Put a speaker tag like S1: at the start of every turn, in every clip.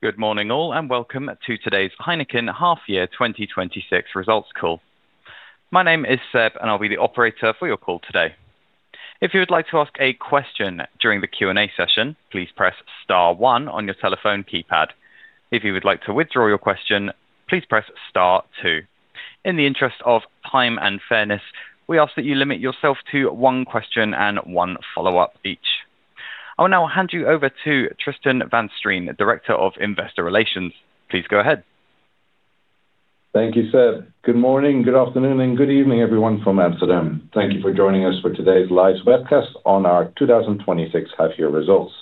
S1: Good morning all, and welcome to today's HEINEKEN half-year 2026 results call. My name is Seb, and I'll be the operator for your call today. If you would like to ask a question during the Q&A session, please press star one on your telephone keypad. If you would like to withdraw your question, please press star two. In the interest of time and fairness, we ask that you limit yourself to one question and one follow-up each. I will now hand you over to Tristan van Strien, Director of Investor Relations. Please go ahead.
S2: Thank you, Seb. Good morning, good afternoon, and good evening, everyone from Amsterdam. Thank you for joining us for today's live webcast on our 2026 half-year results.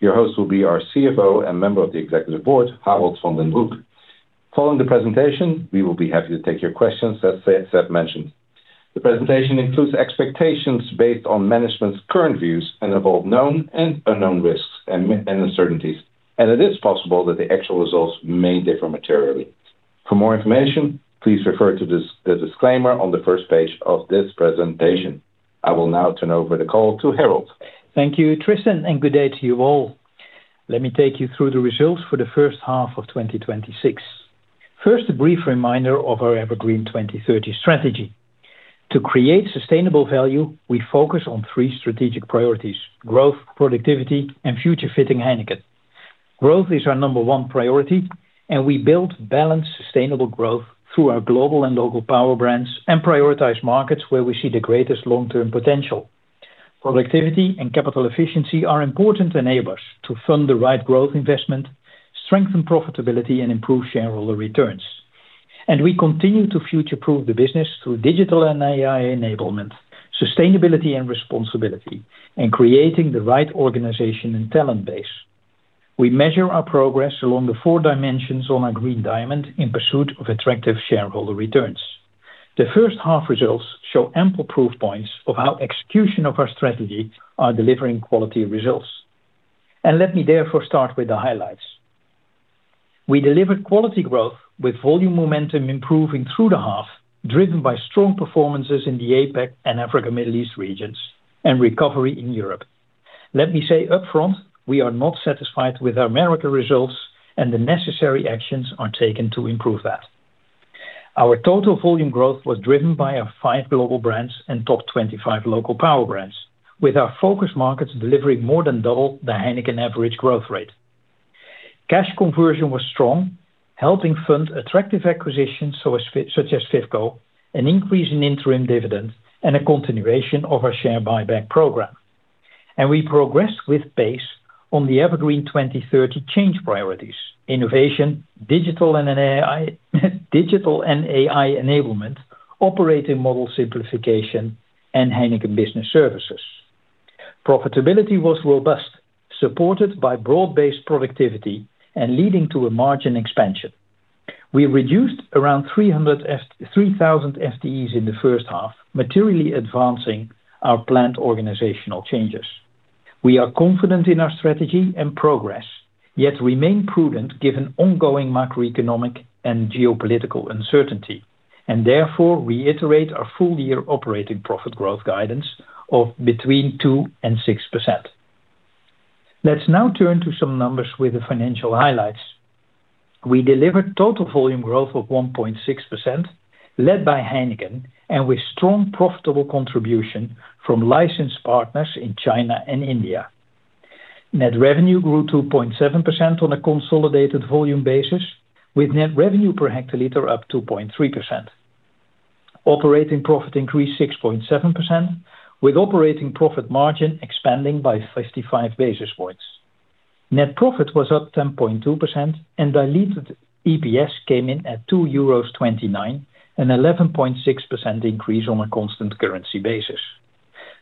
S2: Your host will be our CFO and Member of the Executive Board, Harold van den Broek. Following the presentation, we will be happy to take your questions, as Seb mentioned. The presentation includes expectations based on management's current views and involve known and unknown risks and uncertainties, and it is possible that the actual results may differ materially. For more information, please refer to the disclaimer on the first page of this presentation. I will now turn over the call to Harold.
S3: Thank you, Tristan, and good day to you all. Let me take you through the results for the first half of 2026. First, a brief reminder of our EverGreen 2030 strategy. To create sustainable value, we focus on three strategic priorities: growth, productivity, and future-fitting HEINEKEN. Growth is our number one priority, and we build balanced, sustainable growth through our global and local power brands and prioritize markets where we see the greatest long-term potential. Productivity and capital efficiency are important enablers to fund the right growth investment, strengthen profitability, and improve shareholder returns. We continue to future-proof the business through digital and AI enablement, sustainability and responsibility, and creating the right organization and talent base. We measure our progress along the four dimensions on our green diamond in pursuit of attractive shareholder returns. The first half results show ample proof points of how execution of our strategy are delivering quality results. Let me therefore start with the highlights. We delivered quality growth with volume momentum improving through the half, driven by strong performances in the APAC and Africa, Middle East regions, and recovery in Europe. Let me say upfront, we are not satisfied with our Americas results, and the necessary actions are taken to improve that. Our total volume growth was driven by our five global brands and top 25 local power brands, with our focus markets delivering more than double the HEINEKEN average growth rate. Cash conversion was strong, helping fund attractive acquisitions such as FIFCO, an increase in interim dividends, and a continuation of our share buyback program. We progressed with pace on the EverGreen 2030 change priorities: innovation, digital and AI enablement, operating model simplification, and HEINEKEN Business Services. Profitability was robust, supported by broad-based productivity and leading to a margin expansion. We reduced around 3,000 FTEs in the first half, materially advancing our planned organizational changes. We are confident in our strategy and progress, yet remain prudent given ongoing macroeconomic and geopolitical uncertainty, and therefore reiterate our full-year operating profit growth guidance of between 2% and 6%. Now, let's turn to some numbers with the financial highlights. We delivered total volume growth of 1.6%, led by HEINEKEN and with strong profitable contribution from license partners in China and India. Net revenue grew 2.7% on a consolidated volume basis, with net revenue per hectoliter up 2.3%. Operating profit increased 6.7%, with operating profit margin expanding by 55 basis points. Net profit was up 10.2%, and diluted EPS came in at 2.29 euros, an 11.6% increase on a constant currency basis.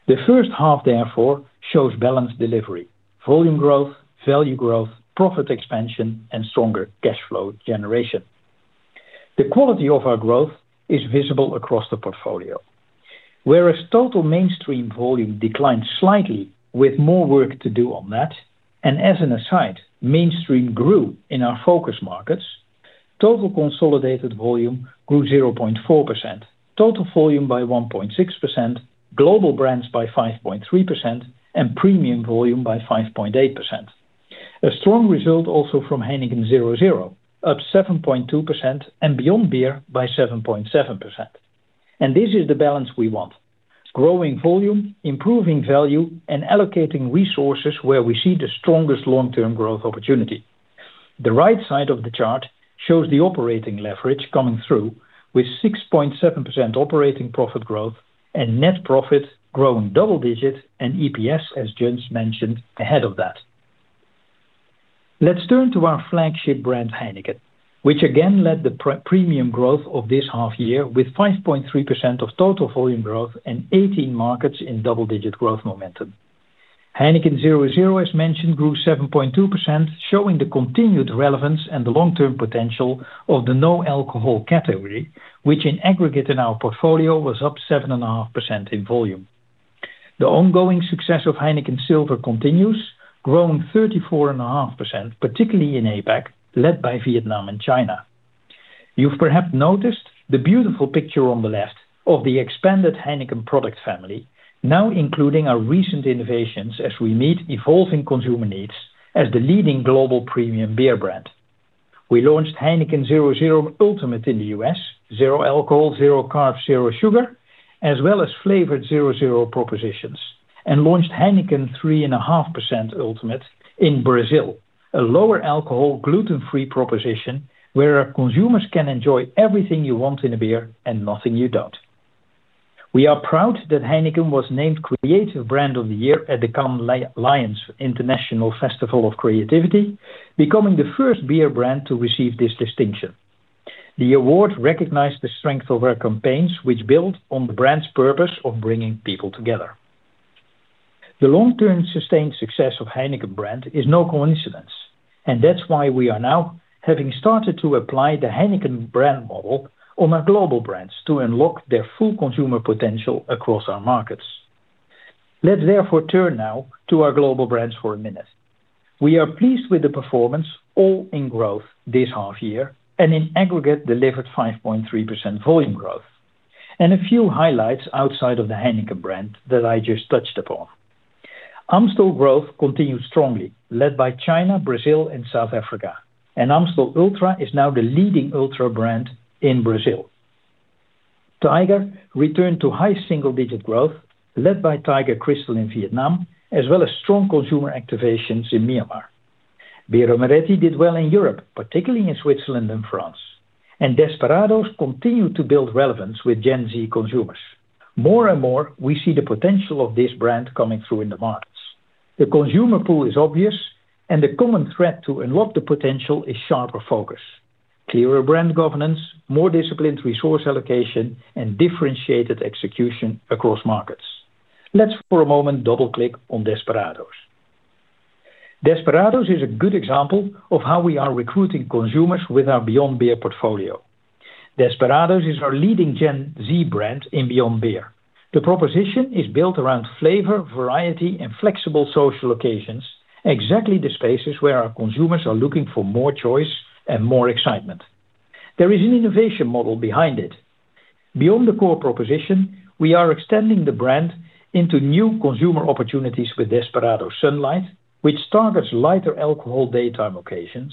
S3: The first half, therefore, shows balanced delivery, volume growth, value growth, profit expansion, and stronger cash flow generation. The quality of our growth is visible across the portfolio. Whereas total mainstream volume declined slightly, with more work to do on that, and as an aside, mainstream grew in our focus markets. Total consolidated volume grew 0.4%, total volume by 1.6%, global brands by 5.3%, and premium volume by 5.8%. A strong result also from HEINEKEN 0.0, up 7.2%, and Beyond Beer by 7.7%. This is the balance we want: growing volume, improving value, and allocating resources where we see the strongest long-term growth opportunity. The right side of the chart shows the operating leverage coming through with 6.7% operating profit growth and net profit growing double digits and EPS, as Jens mentioned, ahead of that. Let's turn to our flagship brand, HEINEKEN, which again led the premium growth of this half-year with 5.3% of total volume growth and 18 markets in double-digit growth momentum. HEINEKEN 0.0, as mentioned, grew 7.2%, showing the continued relevance and the long-term potential of the no alcohol category, which in aggregate in our portfolio was up 7.5% in volume. The ongoing success of HEINEKEN Silver continues, growing 34.5%, particularly in APAC, led by Vietnam and China. You've perhaps noticed the beautiful picture on the left of the expanded HEINEKEN product family, now including our recent innovations as we meet evolving consumer needs as the leading global premium beer brand. We launched HEINEKEN 0.0 Ultimate in the U.S., zero alcohol, zero carbs, zero sugar, as well as flavored 0.0 propositions, and launched HEINEKEN 3.5% Ultimate in Brazil, a lower alcohol, gluten-free proposition where our consumers can enjoy everything you want in a beer and nothing you don't. We are proud that HEINEKEN was named Creative Brand of the Year at the Cannes Lions International Festival of Creativity, becoming the first beer brand to receive this distinction. The award recognized the strength of our campaigns, which build on the brand's purpose of bringing people together. The long-term sustained success of HEINEKEN brand is no coincidence, and that's why we are now having started to apply the HEINEKEN brand model on our global brands to unlock their full consumer potential across our markets. Let's therefore turn now to our global brands for a minute. We are pleased with the performance, all in growth this half-year, and in aggregate delivered 5.3% volume growth. A few highlights outside of the HEINEKEN brand that I just touched upon. Amstel growth continued strongly, led by China, Brazil, and South Africa, and Amstel ULTRA is now the leading ultra brand in Brazil. Tiger returned to high-single-digit growth led by Tiger Crystal in Vietnam, as well as strong consumer activations in Myanmar. Birra Moretti did well in Europe, particularly in Switzerland and France, and Desperados continued to build relevance with Gen Z consumers. More and more, we see the potential of this brand coming through in the markets. The consumer pool is obvious, and the common thread to unlock the potential is sharper focus, clearer brand governance, more disciplined resource allocation, and differentiated execution across markets. Let's for a moment double-click on Desperados. Desperados is a good example of how we are recruiting consumers with our Beyond Beer portfolio. Desperados is our leading Gen Z brand in Beyond Beer. The proposition is built around flavor, variety, and flexible social occasions, exactly the spaces where our consumers are looking for more choice and more excitement. There is an innovation model behind it. Beyond the core proposition, we are extending the brand into new consumer opportunities with Desperados SUNLIGHT, which targets lighter alcohol daytime occasions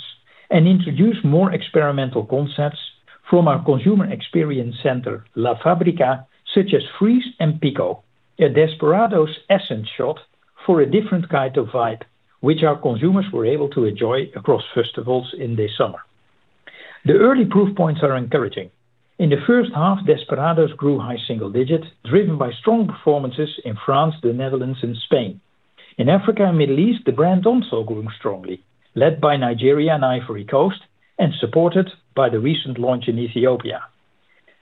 S3: and introduce more experimental concepts from our consumer experience center, La Fábrica, such as Freeze and Pico, a Desperados essence shot for a different kind of vibe, which our consumers were able to enjoy across festivals in the summer. The early proof points are encouraging. In the first half, Desperados grew high-single digits, driven by strong performances in France, the Netherlands, and Spain. In Africa and Middle East, the brand also grew strongly, led by Nigeria and Ivory Coast, and supported by the recent launch in Ethiopia.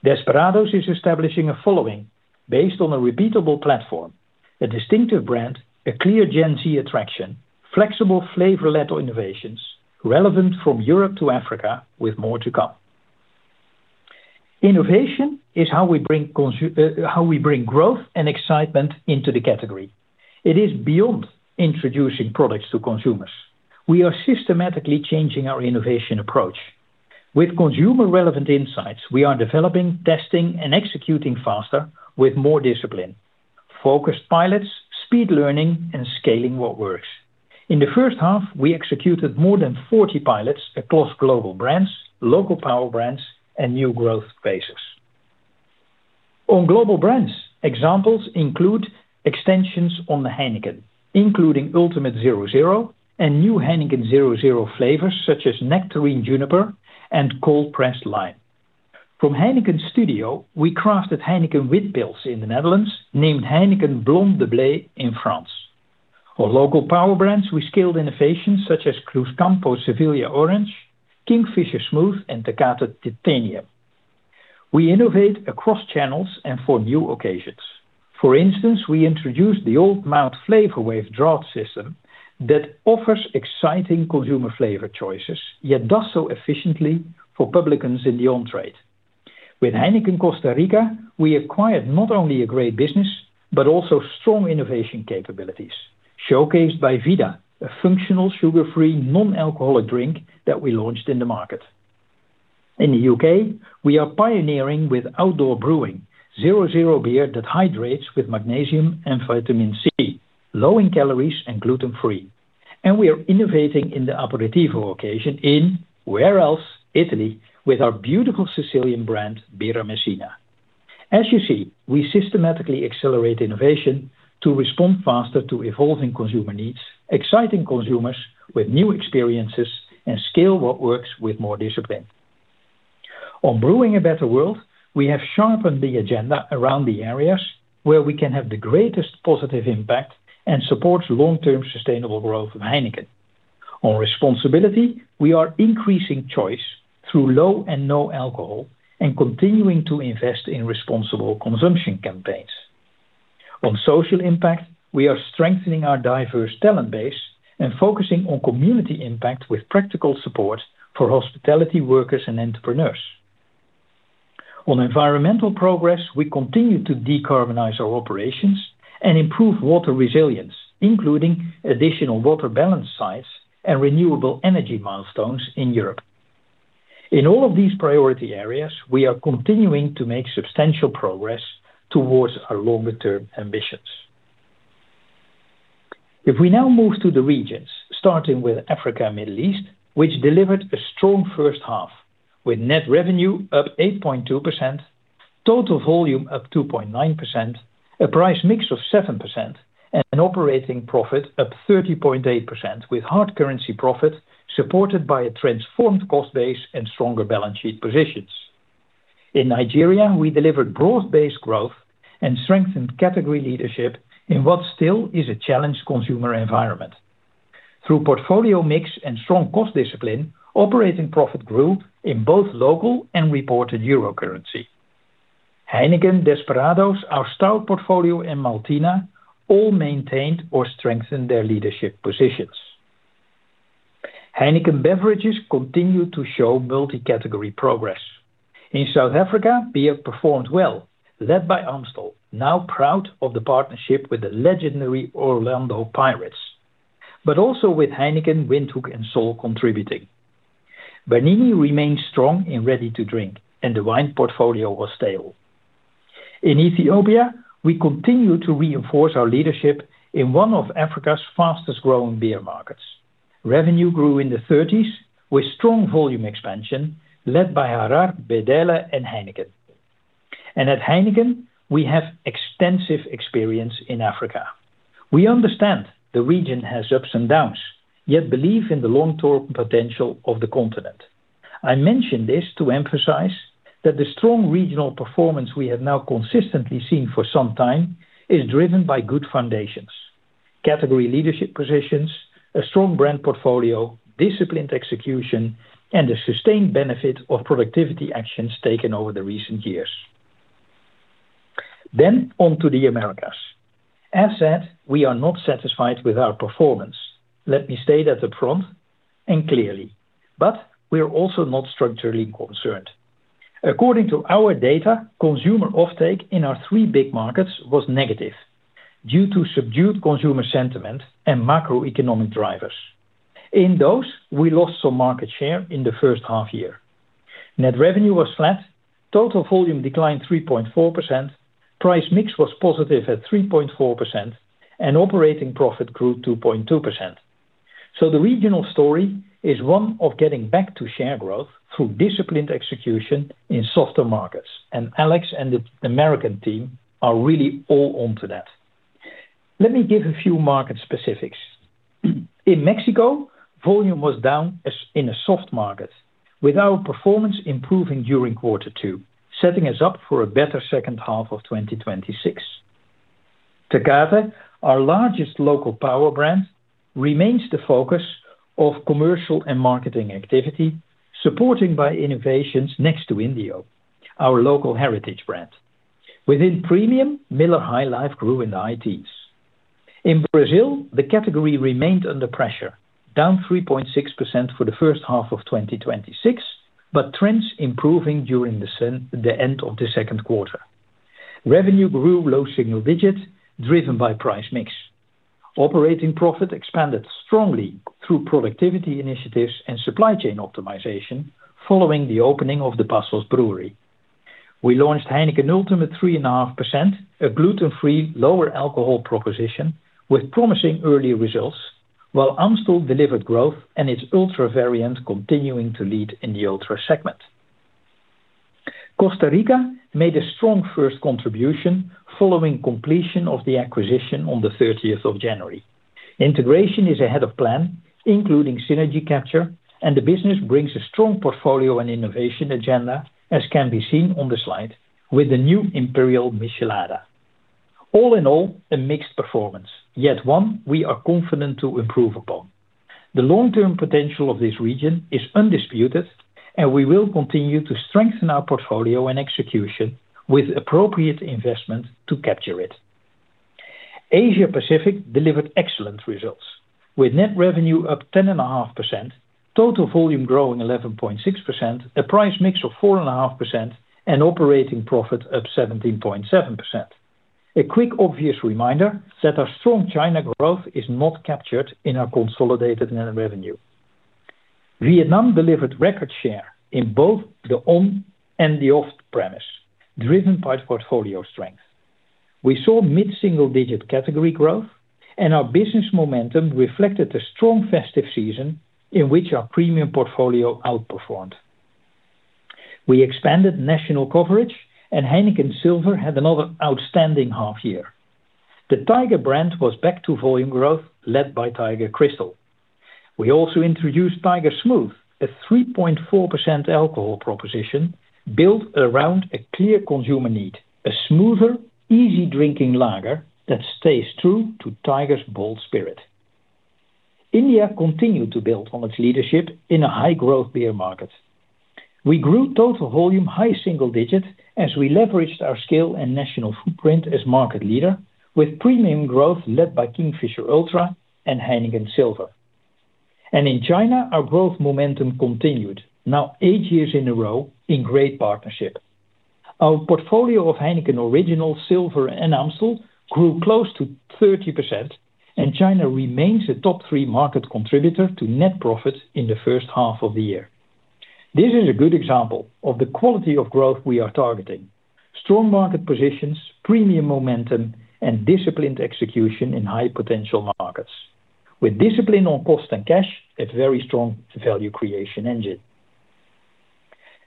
S3: Desperados is establishing a following based on a repeatable platform, a distinctive brand, a clear Gen Z attraction, flexible flavor-led innovations relevant from Europe to Africa with more to come. Innovation is how we bring growth and excitement into the category. It is beyond introducing products to consumers. We are systematically changing our innovation approach. With consumer relevant insights, we are developing, testing, and executing faster with more discipline, focused pilots, speed learning, and scaling what works. In the first half, we executed more than 40 pilots across global brands, local power brands, and new growth spaces. On global brands, examples include extensions on the HEINEKEN, including Ultimate 0.0 and new HEINEKEN 0.0 flavors such as Nectarine Juniper and Cold Pressed Lime. From HEINEKEN Studio, we crafted HEINEKEN Witpils in the Netherlands, named HEINEKEN Blonde de Blé in France. For local power brands, we scaled innovations such as Cruzcampo Sevillana Orange, Kingfisher Smooth, and Tecate Titanium. We innovate across channels and for new occasions. For instance, we introduced the Old Mout FLAVOURWAVE draught system that offers exciting consumer flavor choices, yet does so efficiently for publicans in the on-trade. With HEINEKEN Costa Rica, we acquired not only a great business, but also strong innovation capabilities, showcased by VIDA, a functional sugar-free non-alcoholic drink that we launched in the market. In the U.K., we are pioneering with Outdoor Brewing, HEINEKEN 0.0 beer that hydrates with magnesium and Vitamin C, low in calories and gluten-free. And we are innovating in the aperitivo occasion in, where else? Italy, with our beautiful Sicilian brand, Birra Messina. As you see, we systematically accelerate innovation to respond faster to evolving consumer needs, exciting consumers with new experiences and scale what works with more discipline. On Brewing a Better World, we have sharpened the agenda around the areas where we can have the greatest positive impact and support long-term sustainable growth of HEINEKEN. On responsibility, we are increasing choice through low and no alcohol and continuing to invest in responsible consumption campaigns. On social impact, we are strengthening our diverse talent base and focusing on community impact with practical support for hospitality workers and entrepreneurs. On environmental progress, we continue to decarbonize our operations and improve water resilience, including additional water balance sites and renewable energy milestones in Europe. In all of these priority areas, we are continuing to make substantial progress towards our longer-term ambitions. We now move to the regions, starting with Africa and Middle East, which delivered a strong first half with net revenue up 8.2%, total volume up 2.9%, a price mix of 7%, and an operating profit up 30.8% with hard currency profit supported by a transformed cost base and stronger balance sheet positions. In Nigeria, we delivered broad-based growth and strengthened category leadership in what still is a challenged consumer environment. Through portfolio mix and strong cost discipline, operating profit grew in both local and reported Euro currency. HEINEKEN, Desperados, our stout portfolio and Maltina all maintained or strengthened their leadership positions. HEINEKEN Beverages continues to show multi-category progress. In South Africa, beer performed well, led by Amstel, now proud of the partnership with the legendary Orlando Pirates, but also with HEINEKEN, Windhoek, and Sol contributing. Bernini remains strong in Ready-to-Drink, and the wine portfolio was stable. In Ethiopia, we continue to reinforce our leadership in one of Africa's fastest growing beer markets. Revenue grew in the 30s with strong volume expansion led by Harar, Bedele, and HEINEKEN. At HEINEKEN, we have extensive experience in Africa. We understand the region has ups and downs, yet believe in the long-term potential of the continent. I mention this to emphasize that the strong regional performance we have now consistently seen for some time is driven by good foundations, category leadership positions, a strong brand portfolio, disciplined execution, and a sustained benefit of productivity actions taken over the recent years. On to the Americas. As said, we are not satisfied with our performance. Let me state that up front and clearly. We are also not structurally concerned. According to our data, consumer offtake in our three big markets was negative due to subdued consumer sentiment and macroeconomic drivers. In those, we lost some market share in the first half-year. Net revenue was flat, total volume declined 3.4%, price mix was positive at 3.4%, and operating profit grew 2.2%. The regional story is one of getting back to share growth through disciplined execution in softer markets, Alex and the American team are really all on to that. Let me give a few market specifics. In Mexico, volume was down in a soft market with our performance improving during quarter two, setting us up for a better second half of 2026. Tecate, our largest local power brand, remains the focus of commercial and marketing activity, supported by innovations next to Indio, our local heritage brand. Within premium, Miller High Life grew in the high teens. In Brazil, the category remained under pressure, down 3.6% for the first half of 2026, but trends improving during the end of the second quarter. Revenue grew low-single digits driven by price mix. Operating profit expanded strongly through productivity initiatives and supply chain optimization following the opening of the Passos brewery. We launched HEINEKEN 3.5% Ultimate, a gluten-free, lower alcohol proposition with promising early results, while Amstel delivered growth and its ULTRA variant continuing to lead in the Ultra segment. Costa Rica made a strong first contribution following completion of the acquisition on the 30th of January. Integration is ahead of plan, including synergy capture, and the business brings a strong portfolio and innovation agenda, as can be seen on the slide with the new Imperial Michelada. All in all, a mixed performance, yet one we are confident to improve upon. The long-term potential of this region is undisputed, and we will continue to strengthen our portfolio and execution with appropriate investment to capture it. Asia Pacific delivered excellent results, with net revenue up 10.5%, total volume growing 11.6%, a price mix of 4.5%, and operating profit up 17.7%. A quick obvious reminder that our strong China growth is not captured in our consolidated net revenue. Vietnam delivered record share in both the on and the off premise, driven by portfolio strength. We saw mid-single-digit category growth, and our business momentum reflected a strong festive season in which our premium portfolio outperformed. We expanded national coverage, and HEINEKEN Silver had another outstanding half year. The Tiger brand was back to volume growth led by Tiger Crystal. We also introduced Tiger Smooth, a 3.4% alcohol proposition built around a clear consumer need, a smoother, easy drinking lager that stays true to Tiger's bold spirit. India continued to build on its leadership in a high-growth beer market. We grew total volume high single digits as we leveraged our scale and national footprint as market leader with premium growth led by Kingfisher ULTRA and HEINEKEN Silver. In China, our growth momentum continued, now eight years in a row in great partnership. Our portfolio of HEINEKEN Original, SILVER, and Amstel grew close to 30%, and China remains a top three market contributor to net profit in the first half of the year. This is a good example of the quality of growth we are targeting. Strong market positions, premium momentum, and disciplined execution in high-potential markets. With discipline on cost and cash, a very strong value creation engine.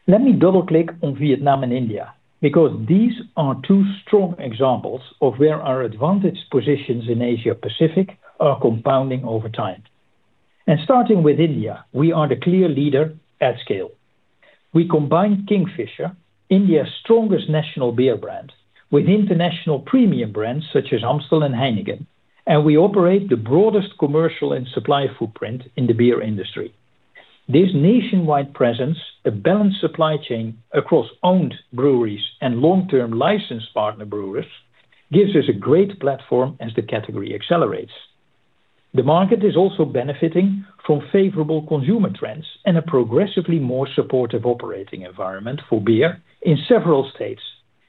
S3: Let me double click on Vietnam and India, because these are two strong examples of where our advantaged positions in Asia Pacific are compounding over time. Starting with India, we are the clear leader at scale. We combine Kingfisher, India's strongest national beer brand, with international premium brands such as Amstel and HEINEKEN, and we operate the broadest commercial and supply footprint in the beer industry. This nationwide presence, a balanced supply chain across owned breweries and long-term licensed partner breweries, gives us a great platform as the category accelerates. The market is also benefiting from favorable consumer trends and a progressively more supportive operating environment for beer in several states,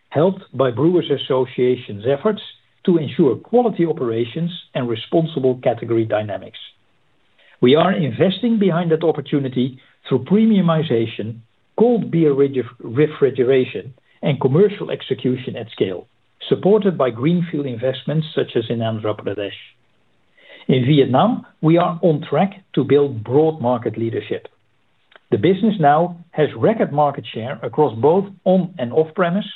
S3: helped by Brewers Association's efforts to ensure quality operations and responsible category dynamics. We are investing behind that opportunity through premiumization, cold beer refrigeration, and commercial execution at scale, supported by greenfield investments such as in Andhra Pradesh. In Vietnam, we are on track to build broad market leadership. The business now has record market share across both on and off premise,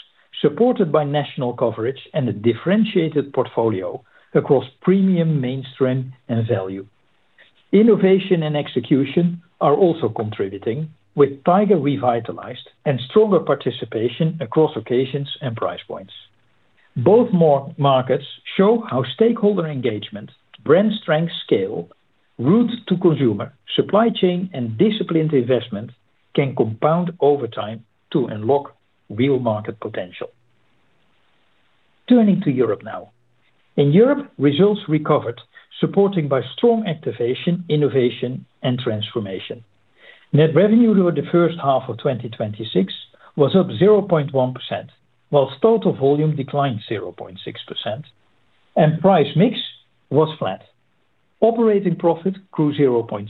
S3: supported by national coverage and a differentiated portfolio across premium, mainstream, and value. Innovation and execution are also contributing, with Tiger revitalized and stronger participation across occasions and price points. Both markets show how stakeholder engagement, brand strength scale, route to consumer, supply chain, and disciplined investment can compound over time to unlock real market potential. Turning to Europe now. In Europe, results recovered, supporting by strong activation, innovation, and transformation. Net revenue over the first half of 2026 was up 0.1%, whilst total volume declined 0.6%, and price mix was flat. Operating profit grew 0.6%.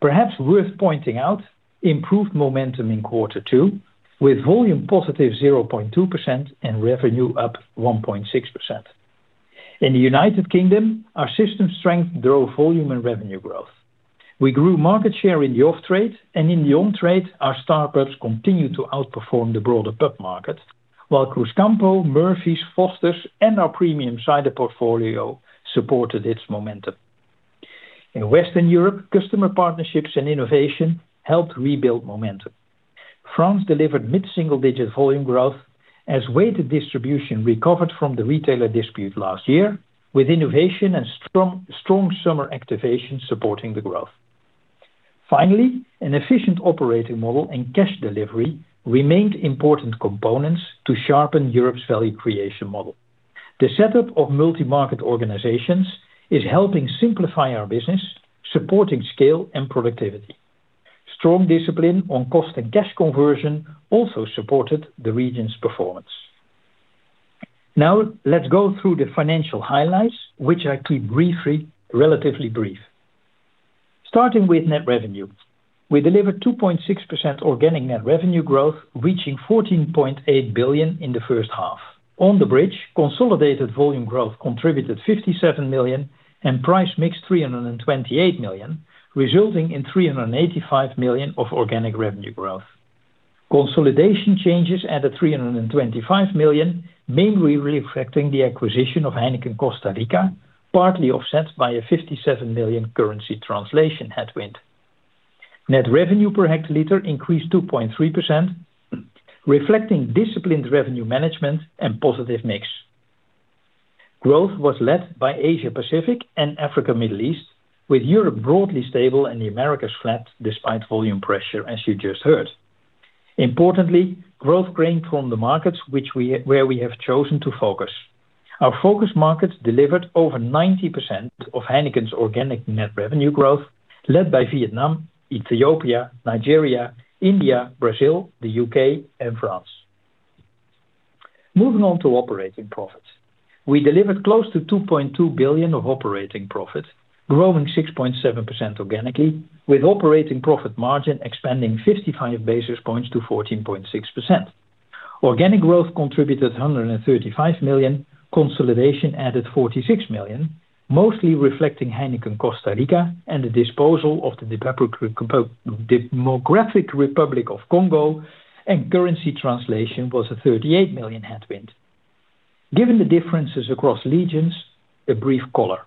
S3: Perhaps worth pointing out, improved momentum in quarter two, with volume +0.2% and revenue up 1.6%. In the U.K., our system strength drove volume and revenue growth. We grew market share in the off-trade and in the on-trade, our Star Pubs continued to outperform the broader pub market, while Cruzcampo, Murphy's, Foster's, and our premium cider portfolio supported its momentum. In Western Europe, customer partnerships and innovation helped rebuild momentum. France delivered mid-single-digit volume growth as weighted distribution recovered from the retailer dispute last year, with innovation and strong summer activation supporting the growth. Finally, an efficient operating model and cash delivery remained important components to sharpen Europe's value creation model. The setup of Multi-Market Organizations is helping simplify our business, supporting scale and productivity. Strong discipline on cost and cash conversion also supported the region's performance. Let's go through the financial highlights, which I keep relatively brief. Starting with net revenue. We delivered 2.6% organic net revenue growth, reaching 14.8 billion in the first half. On the bridge, consolidated volume growth contributed 57 million and price mix 328 million, resulting in 385 million of organic revenue growth. Consolidation changes added 325 million, mainly reflecting the acquisition of HEINEKEN Costa Rica, partly offset by a 57 million currency translation headwind. Net revenue per hectoliter increased 2.3%, reflecting disciplined revenue management and positive mix. Growth was led by Asia Pacific and Africa, Middle East, with Europe broadly stable and the Americas flat despite volume pressure, as you just heard. Importantly, growth drained from the markets where we have chosen to focus. Our focus markets delivered over 90% of HEINEKEN's organic net revenue growth, led by Vietnam, Ethiopia, Nigeria, India, Brazil, the U.K., and France. Moving on to Operating Profits. We delivered close to 2.2 billion of operating profit, growing 6.7% organically, with Operating Profit Margin expanding 55 basis points to 14.6%. Organic growth contributed 135 million, consolidation added 46 million, mostly reflecting HEINEKEN Costa Rica and the disposal of the Democratic Republic of the Congo, and currency translation was a 38 million headwind. Given the differences across regions, a brief color.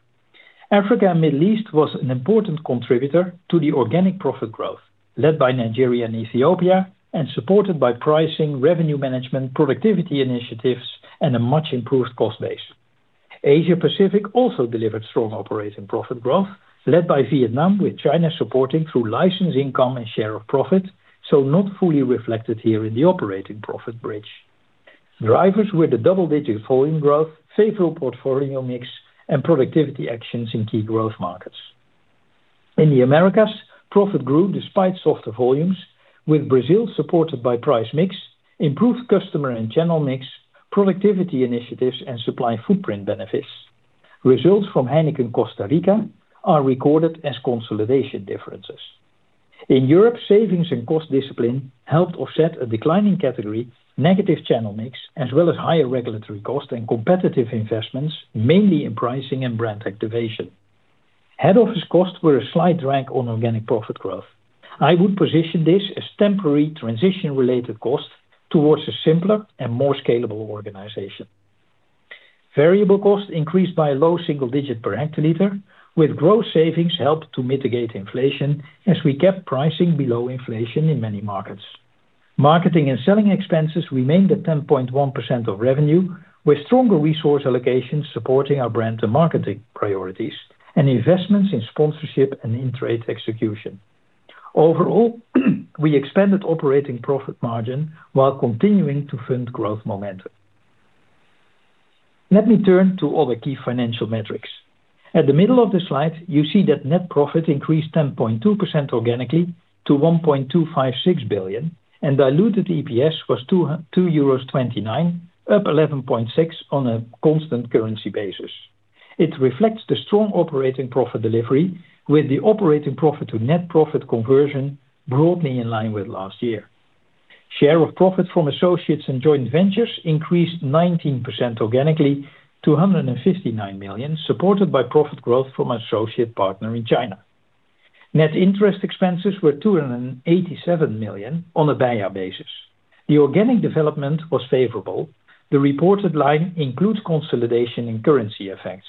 S3: Africa and Middle East was an important contributor to the organic profit growth, led by Nigeria and Ethiopia and supported by pricing, revenue management, productivity initiatives, and a much improved cost base. Asia Pacific also delivered strong operating profit growth, led by Vietnam, with China supporting through license income and share of profit, so not fully reflected here in the operating profit bridge. Drivers were the double-digit volume growth, favorable portfolio mix, and productivity actions in key growth markets. In the Americas, profit grew despite softer volumes, with Brazil supported by price mix, improved customer and channel mix, productivity initiatives, and supply footprint benefits. Results from HEINEKEN Costa Rica are recorded as consolidation differences. In Europe, savings and cost discipline helped offset a declining category, negative channel mix, as well as higher regulatory cost and competitive investments, mainly in pricing and brand activation. Head office costs were a slight drag on organic profit growth. I would position this as temporary transition-related cost towards a simpler and more scalable organization. Variable costs increased by a low-single-digit per hectoliter, with growth savings helped to mitigate inflation as we kept pricing below inflation in many markets. Marketing and selling expenses remained at 10.1% of revenue, with stronger resource allocations supporting our brand and marketing priorities and investments in sponsorship and in-trade execution. Overall, we expanded operating profit margin while continuing to fund growth momentum. Let me turn to other key financial metrics. At the middle of the slide, you see that net profit increased 10.2% organically to 1.256 billion, and diluted EPS was 2.29 euros, up 11.6% on a constant currency basis. It reflects the strong operating profit delivery with the operating profit to net profit conversion broadly in line with last year. Share of profit from associates and joint ventures increased 19% organically to 159 million, supported by profit growth from associate partner in China. Net interest expenses were 287 million on a beia basis. The organic development was favorable. The reported line includes consolidation and currency effects.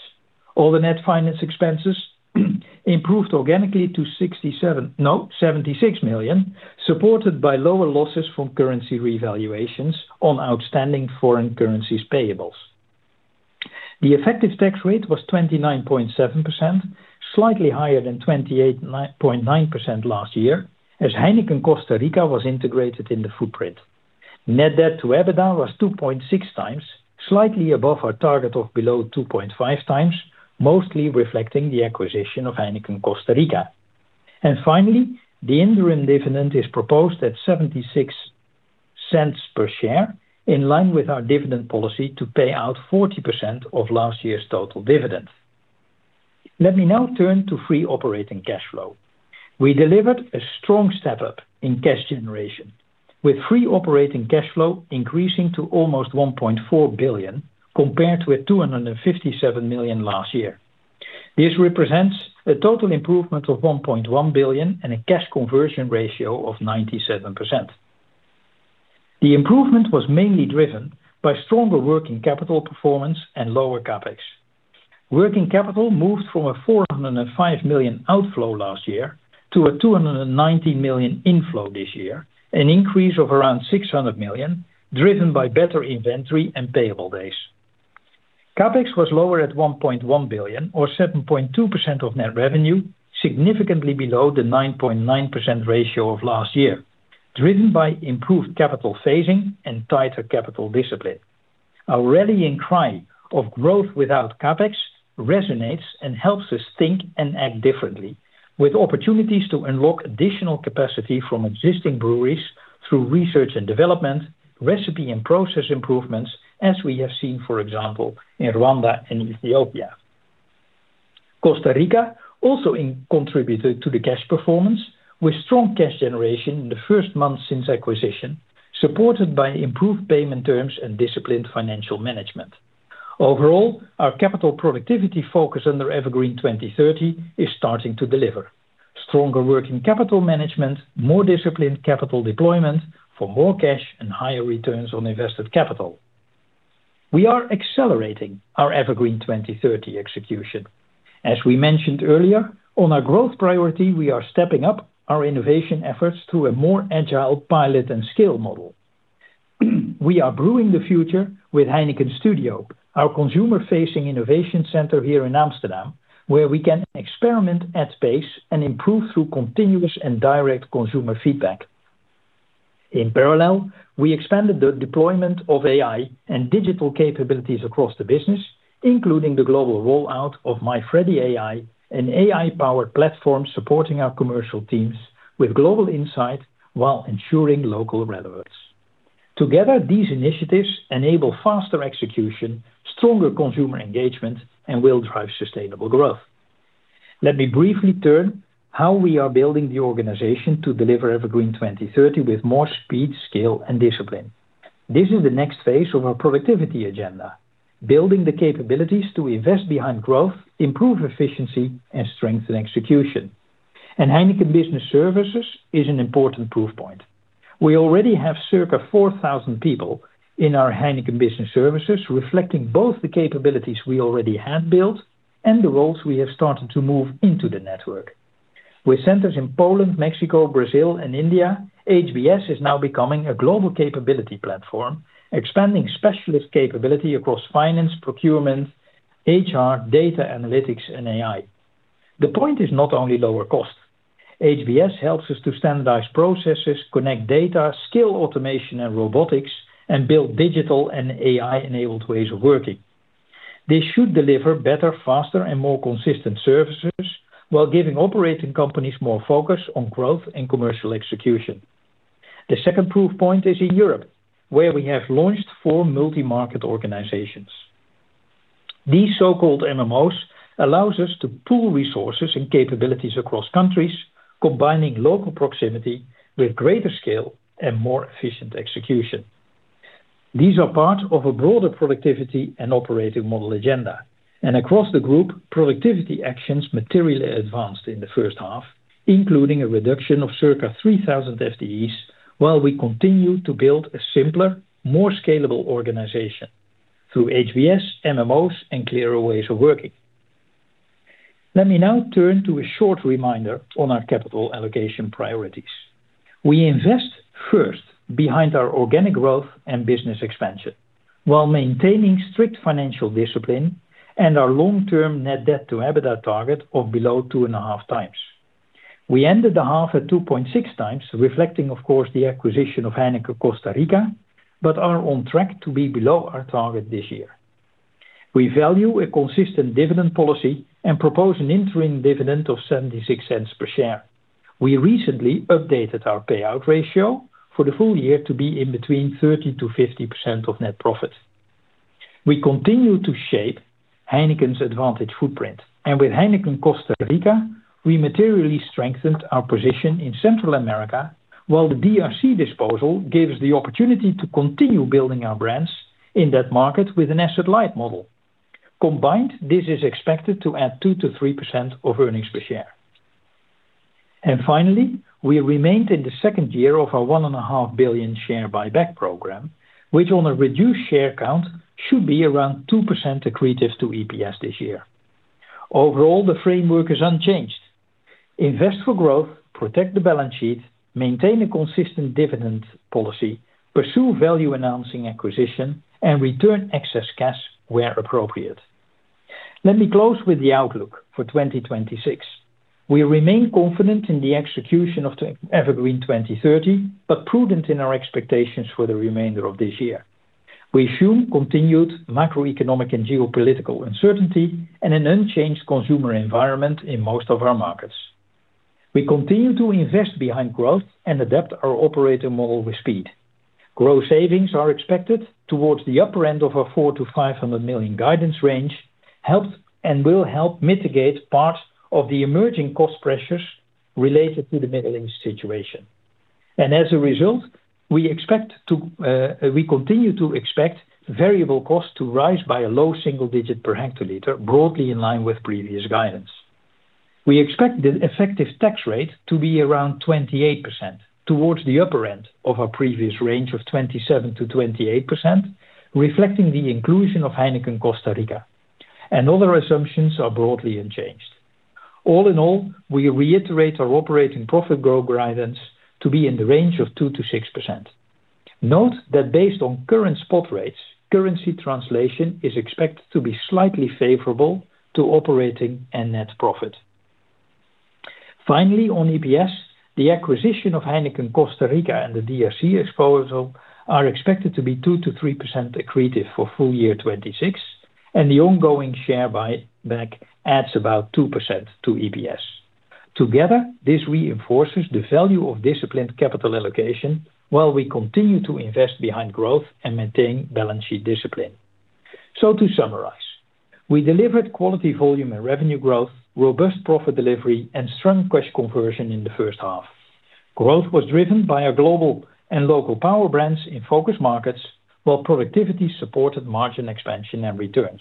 S3: Other net finance expenses improved organically to 76 million, supported by lower losses from currency revaluations on outstanding foreign currencies payables. The effective tax rate was 29.7%, slightly higher than 28.9% last year, as HEINEKEN Costa Rica was integrated in the footprint. Net debt-to-EBITDA was 2.6x, slightly above our target of below 2.5x, mostly reflecting the acquisition of HEINEKEN Costa Rica. Finally, the interim dividend is proposed at 0.76 per share, in line with our dividend policy to pay out 40% of last year's total dividend. Let me now turn to free operating cash flow. We delivered a strong step-up in cash generation, with free operating cash flow increasing to almost 1.4 billion, compared with 257 million last year. This represents a total improvement of 1.1 billion and a cash conversion ratio of 97%. The improvement was mainly driven by stronger working capital performance and lower CapEx. Working capital moved from a 405 million outflow last year to a 290 million inflow this year, an increase of around 600 million, driven by better inventory and payable days. CapEx was lower at 1.1 billion or 7.2% of net revenue, significantly below the 9.9% ratio of last year, driven by improved capital phasing and tighter capital discipline. Our rallying cry of growth without CapEx resonates and helps us think and act differently, with opportunities to unlock additional capacity from existing breweries through research and development, recipe and process improvements, as we have seen, for example, in Rwanda and Ethiopia. HEINEKEN Costa Rica also contributed to the cash performance with strong cash generation in the first month since acquisition, supported by improved payment terms and disciplined financial management. Overall, our capital productivity focus under EverGreen 2030 is starting to deliver: stronger working capital management, more disciplined capital deployment for more cash and higher returns on invested capital. We are accelerating our EverGreen 2030 execution. We mentioned earlier, on our growth priority, we are stepping up our innovation efforts through a more agile pilot and scale model. We are brewing the future with HEINEKEN Studio, our consumer-facing innovation center here in Amsterdam, where we can experiment at pace and improve through continuous and direct consumer feedback. In parallel, we expanded the deployment of AI and digital capabilities across the business, including the global rollout of MyFreddyAI, an AI-powered platform supporting our commercial teams with global insight while ensuring local relevance. Together, these initiatives enable faster execution, stronger consumer engagement, and will drive sustainable growth. Let me briefly turn how we are building the organization to deliver EverGreen 2030 with more speed, scale, and discipline. This is the next phase of our productivity agenda: building the capabilities to invest behind growth, improve efficiency, and strengthen execution. HEINEKEN Business Services is an important proof point. We already have circa 4,000 people in our HEINEKEN Business Services, reflecting both the capabilities we already had built and the roles we have started to move into the network. With centers in Poland, Mexico, Brazil, and India, HBS is now becoming a global capability platform, expanding specialist capability across finance, procurement, HR, data analytics, and AI. The point is not only lower cost. HBS helps us to standardize processes, connect data, scale automation and robotics, and build digital and AI-enabled ways of working. This should deliver better, faster, and more consistent services while giving operating companies more focus on growth and commercial execution. The second proof point is in Europe, where we have launched four Multi-Market Organizations. These so-called MMOs allows us to pool resources and capabilities across countries, combining local proximity with greater scale and more efficient execution. These are part of a broader productivity and operating model agenda. And across the group, productivity actions materially advanced in the first half, including a reduction of circa 3,000 FTEs, while we continue to build a simpler, more scalable organization through HBS, MMOs, and clearer ways of working. Let me now turn to a short reminder on our capital allocation priorities. We invest first behind our organic growth and business expansion while maintaining strict financial discipline and our long-term net debt-to-EBITDA target of below 2.5x. We ended the half at 2.6x, reflecting, of course, the acquisition of HEINEKEN Costa Rica, but are on track to be below our target this year. We value a consistent dividend policy and propose an interim dividend of 0.76 per share. We recently updated our payout ratio for the full year to be in between 30%-50% of net profit. We continue to shape HEINEKEN's advantage footprint, and with HEINEKEN Costa Rica, we materially strengthened our position in Central America, while the DRC disposal gave us the opportunity to continue building our brands in that market with an asset-light model. Combined, this is expected to add 2%-3% of earnings per share. Finally, we remained in the second year of our 1.5 billion share buyback program, which on a reduced share count, should be around 2% accretive to EPS this year. Overall, the framework is unchanged. Invest for growth, protect the balance sheet, maintain a consistent dividend policy, pursue value enhancing acquisition, and return excess cash where appropriate. Let me close with the outlook for 2026. We remain confident in the execution of the EverGreen 2030, but prudent in our expectations for the remainder of this year. We assume continued macroeconomic and geopolitical uncertainty and an unchanged consumer environment in most of our markets. We continue to invest behind growth and adapt our operating model with speed. Growth savings are expected towards the upper end of our 400 million-500 million guidance range, and will help mitigate part of the emerging cost pressures related to the Middle East situation. As a result, we continue to expect variable costs to rise by a low-single-digit per hectoliter, broadly in line with previous guidance. We expect the effective tax rate to be around 28%, towards the upper end of our previous range of 27%-28%, reflecting the inclusion of HEINEKEN Costa Rica. Other assumptions are broadly unchanged. All in all, we reiterate our operating profit growth guidance to be in the range of 2%-6%. Note that based on current spot rates, currency translation is expected to be slightly favorable to operating and net profit. Finally, on EPS, the acquisition of HEINEKEN Costa Rica and the DRC exposure are expected to be 2%-3% accretive for full-year 2026, and the ongoing share buyback adds about 2% to EPS. Together, this reinforces the value of disciplined capital allocation while we continue to invest behind growth and maintain balance sheet discipline. To summarize, we delivered quality volume and revenue growth, robust profit delivery, and strong cash conversion in the first half. Growth was driven by our global and local power brands in focus markets, while productivity supported margin expansion and returns.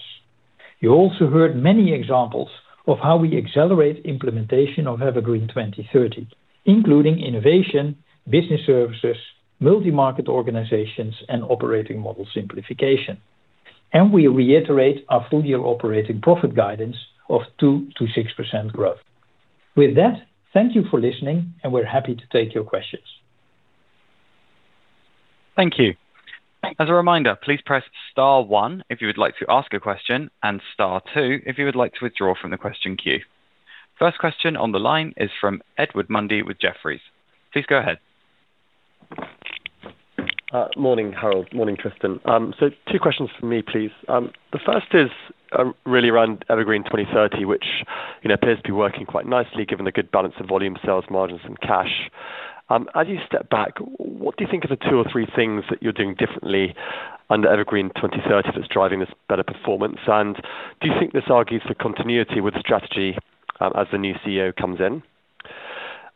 S3: You also heard many examples of how we accelerate implementation of EverGreen 2030, including innovation, Business Services, Multi-Market Organizations, and operating model simplification. We reiterate our full-year operating profit guidance of 2%-6% growth. With that, thank you for listening, and we're happy to take your questions.
S1: Thank you.
S3: Thank you.
S1: As a reminder, please press star one if you would like to ask a question, and star two if you would like to withdraw from the question queue. First question on the line is from Edward Mundy with Jefferies. Please go ahead.
S4: Morning, Harold. Morning, Tristan. Two questions from me, please. The first is really around EverGreen 2030, which appears to be working quite nicely given the good balance of volume sales, margins, and cash. As you step back, what do you think are the two or three things that you're doing differently under EverGreen 2030 that's driving this better performance? Do you think this argues for continuity with the strategy as the new CEO comes in?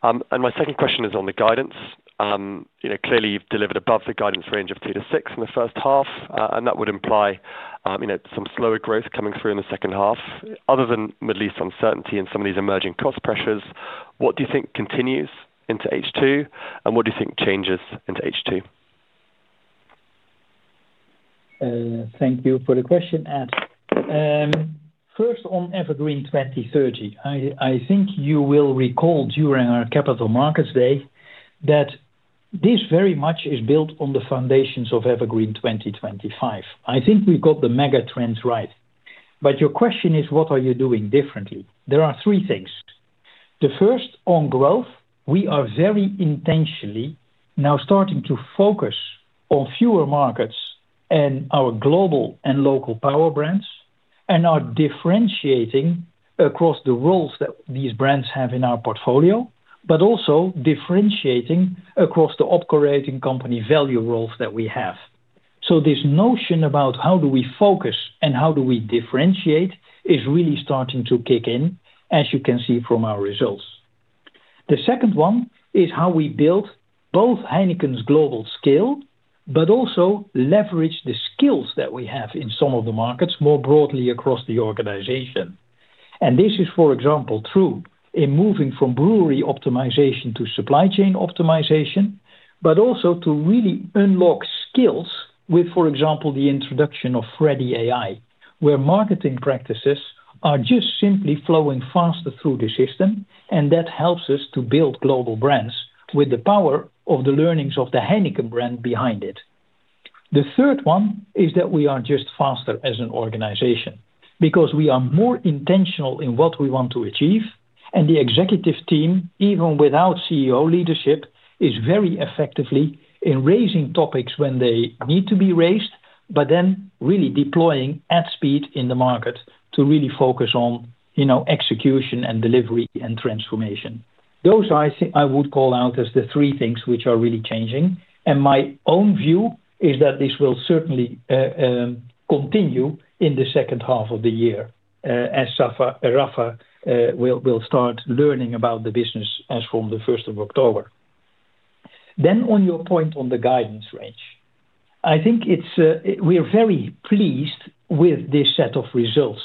S4: My second question is on the guidance. Clearly, you've delivered above the guidance range of 2%-6% in the first half, and that would imply some slower growth coming through in the second half. Other than Middle East uncertainty and some of these emerging cost pressures, what do you think continues into H2? And what do you think changes into H2?
S3: Thank you for the question, Ed. First, on EverGreen 2030, I think you will recall during our Capital Markets Day that This very much is built on the foundations of EverGreen 2025. I think we've got the mega trends right. Your question is, what are you doing differently? There are three things. The first, on growth, we are very intentionally now starting to focus on fewer markets and our global and local power brands, and are differentiating across the roles that these brands have in our portfolio, but also differentiating across the operating company value roles that we have. This notion about how do we focus and how do we differentiate is really starting to kick in, as you can see from our results. The second one is how we build both HEINEKEN's global scale, but also leverage the skills that we have in some of the markets more broadly across the organization. This is, for example, true in moving from brewery optimization to supply chain optimization, but also to really unlock skills with, for example, the introduction of Freddy AI, where marketing practices are just simply flowing faster through the system, and that helps us to build global brands with the power of the learnings of the HEINEKEN brand behind it. The third one is that we are just faster as an organization because we are more intentional in what we want to achieve, and the executive team, even without CEO leadership, is very effectively in raising topics when they need to be raised, but then really deploying at speed in the market to really focus on execution and delivery and transformation. Those, I would call out as the three things which are really changing, and my own view is that this will certainly continue in the second half of the year, as Rafa will start learning about the business as from the 1st of October. On your point on the guidance range, I think we're very pleased with this set of results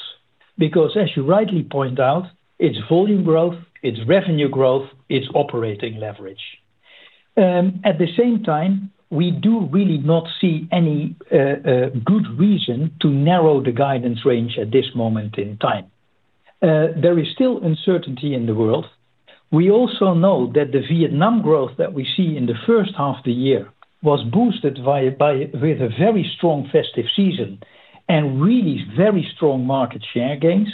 S3: because, as you rightly point out, it's volume growth, it's revenue growth, it's operating leverage. At the same time, we do really not see any good reason to narrow the guidance range at this moment in time. There is still uncertainty in the world. We also know that the Vietnam growth that we see in the first half of the year was boosted with a very strong festive season and really very strong market share gains.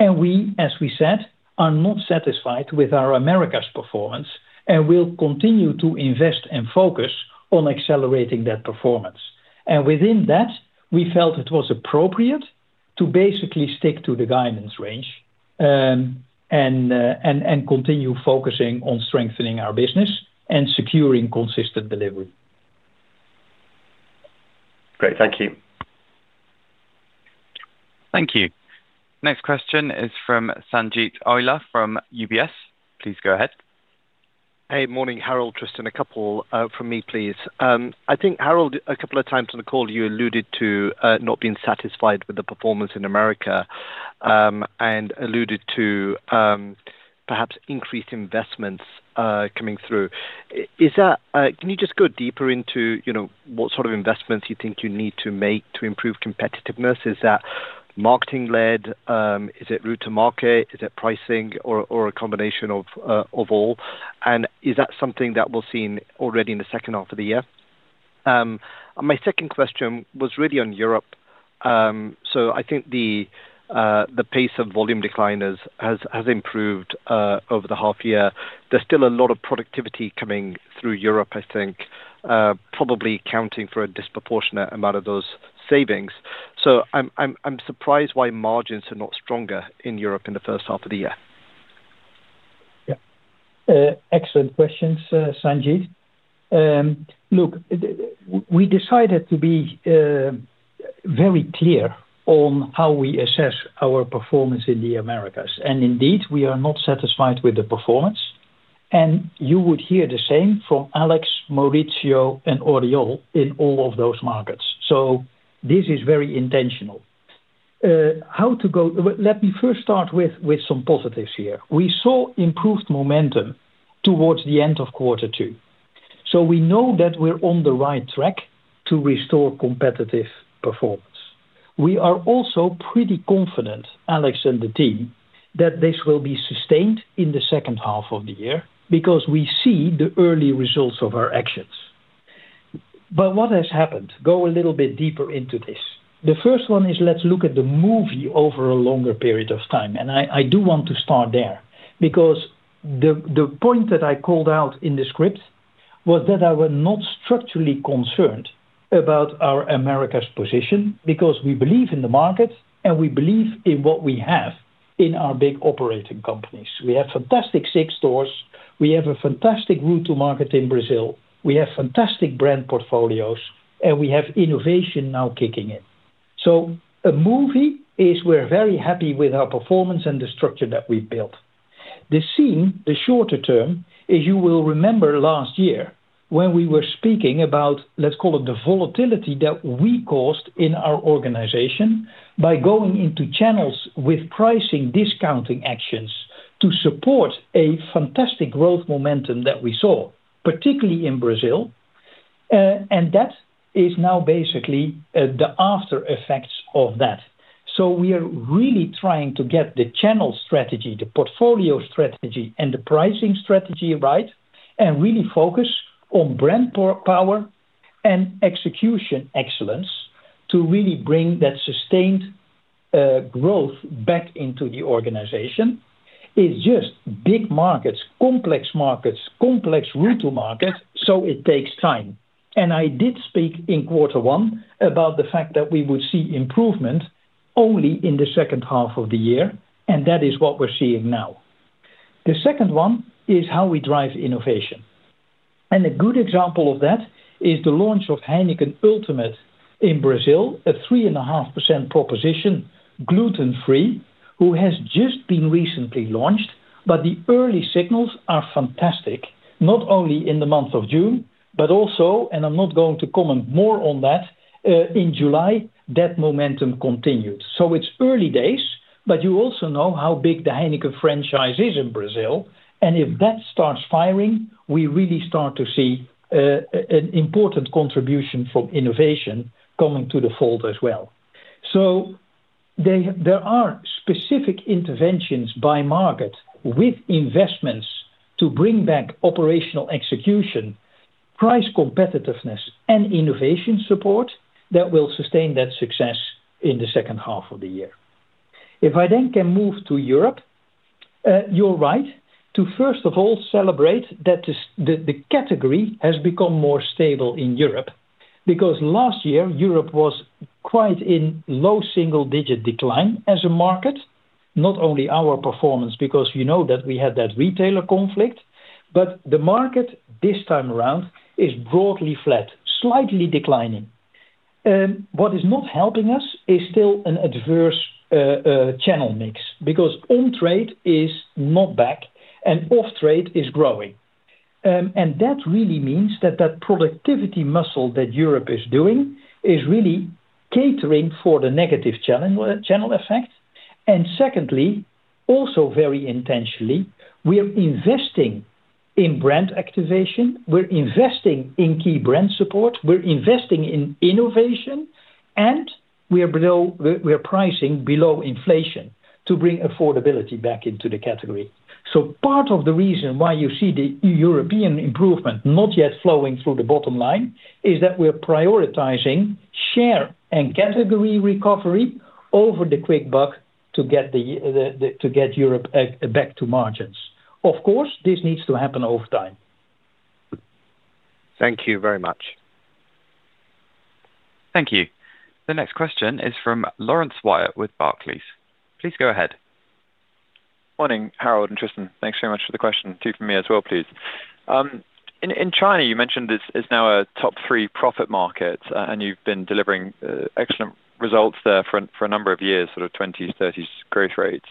S3: We, as we said, are not satisfied with our Americas performance and will continue to invest and focus on accelerating that performance. Within that, we felt it was appropriate to basically stick to the guidance range, and continue focusing on strengthening our business and securing consistent delivery.
S4: Great. Thank you.
S1: Thank you. Next question is from Sanjeet Aujla from UBS. Please go ahead.
S5: Hey. Morning, Harold, Tristan. A couple from me, please. I think, Harold, a couple of times on the call, you alluded to not being satisfied with the performance in the Americas, alluded to perhaps increased investments coming through. Can you just go deeper into what sort of investments you think you need to make to improve competitiveness? Is that marketing led? Is it route to market? Is it pricing or a combination of all? Is that something that we'll see already in the second half of the year? My second question was really on Europe. I think the pace of volume decline has improved over the half-year. There's still a lot of productivity coming through Europe, I think, probably accounting for a disproportionate amount of those savings. I'm surprised why margins are not stronger in Europe in the first half of the year.
S3: Excellent questions, Sanjeet. Look, we decided to be very clear on how we assess our performance in the Americas. Indeed, we are not satisfied with the performance. You would hear the same from Alex, Maurizio, and Oriol in all of those markets. This is very intentional. Let me first start with some positives here. We saw improved momentum towards the end of quarter two. We know that we're on the right track to restore competitive performance. We are also pretty confident, Alex and the team, that this will be sustained in the second half of the year because we see the early results of our actions. What has happened? Go a little bit deeper into this. The first one is let's look at the movie over a longer period of time. I do want to start there because the point that I called out in the script was that I was not structurally concerned about our Americas position because we believe in the market and we believe in what we have in our big operating companies. We have fantastic six stores. We have a fantastic route to market in Brazil. We have fantastic brand portfolios, we have innovation now kicking in. A movie is we're very happy with our performance and the structure that we've built. The scene, the shorter term, is you will remember last year when we were speaking about, let's call it, the volatility that we caused in our organization by going into channels with pricing discounting actions to support a fantastic growth momentum that we saw, particularly in Brazil. That is now basically the after effects of that. We are really trying to get the channel strategy, the portfolio strategy, and the pricing strategy right, and really focus on brand power and execution excellence to really bring that sustained growth back into the organization. It's just big markets, complex markets, complex route to market, so it takes time. I did speak in quarter one about the fact that we would see improvement only in the second half of the year, and that is what we're seeing now. The second one is how we drive innovation. A good example of that is the launch of HEINEKEN Ultimate in Brazil, a 3.5% proposition, gluten-free, who has just been recently launched. The early signals are fantastic, not only in the month of June, but also, I'm not going to comment more on that, in July, that momentum continued. It's early days, but you also know how big the HEINEKEN franchise is in Brazil, and if that starts firing, we really start to see an important contribution from innovation coming to the fold as well. There are specific interventions by market with investments to bring back operational execution, price competitiveness, and innovation support that will sustain that success in the second half of the year. If I then can move to Europe, you're right to first of all celebrate that the category has become more stable in Europe, because last year Europe was quite in low single digit decline as a market, not only our performance, because you know that we had that retailer conflict, but the market this time around is broadly flat, slightly declining. What is not helping us is still an adverse channel mix, because on-trade is not back and off-trade is growing. That really means that that productivity muscle that Europe is doing is really catering for the negative channel effect. Secondly, also very intentionally, we're investing in brand activation, we're investing in key brand support, we're investing in innovation, and we're pricing below inflation to bring affordability back into the category. Part of the reason why you see the European improvement not yet flowing through the bottom line is that we're prioritizing share and category recovery over the quick buck to get Europe back to margins. Of course, this needs to happen over time.
S5: Thank you very much.
S1: Thank you. The next question is from Laurence Whyatt with Barclays. Please go ahead.
S6: Morning, Harold and Tristan. Thanks very much for the question. Two from me as well, please. In China, you mentioned it's now a top three profit market, and you've been delivering excellent results there for a number of years, sort of 20%, 30% growth rates.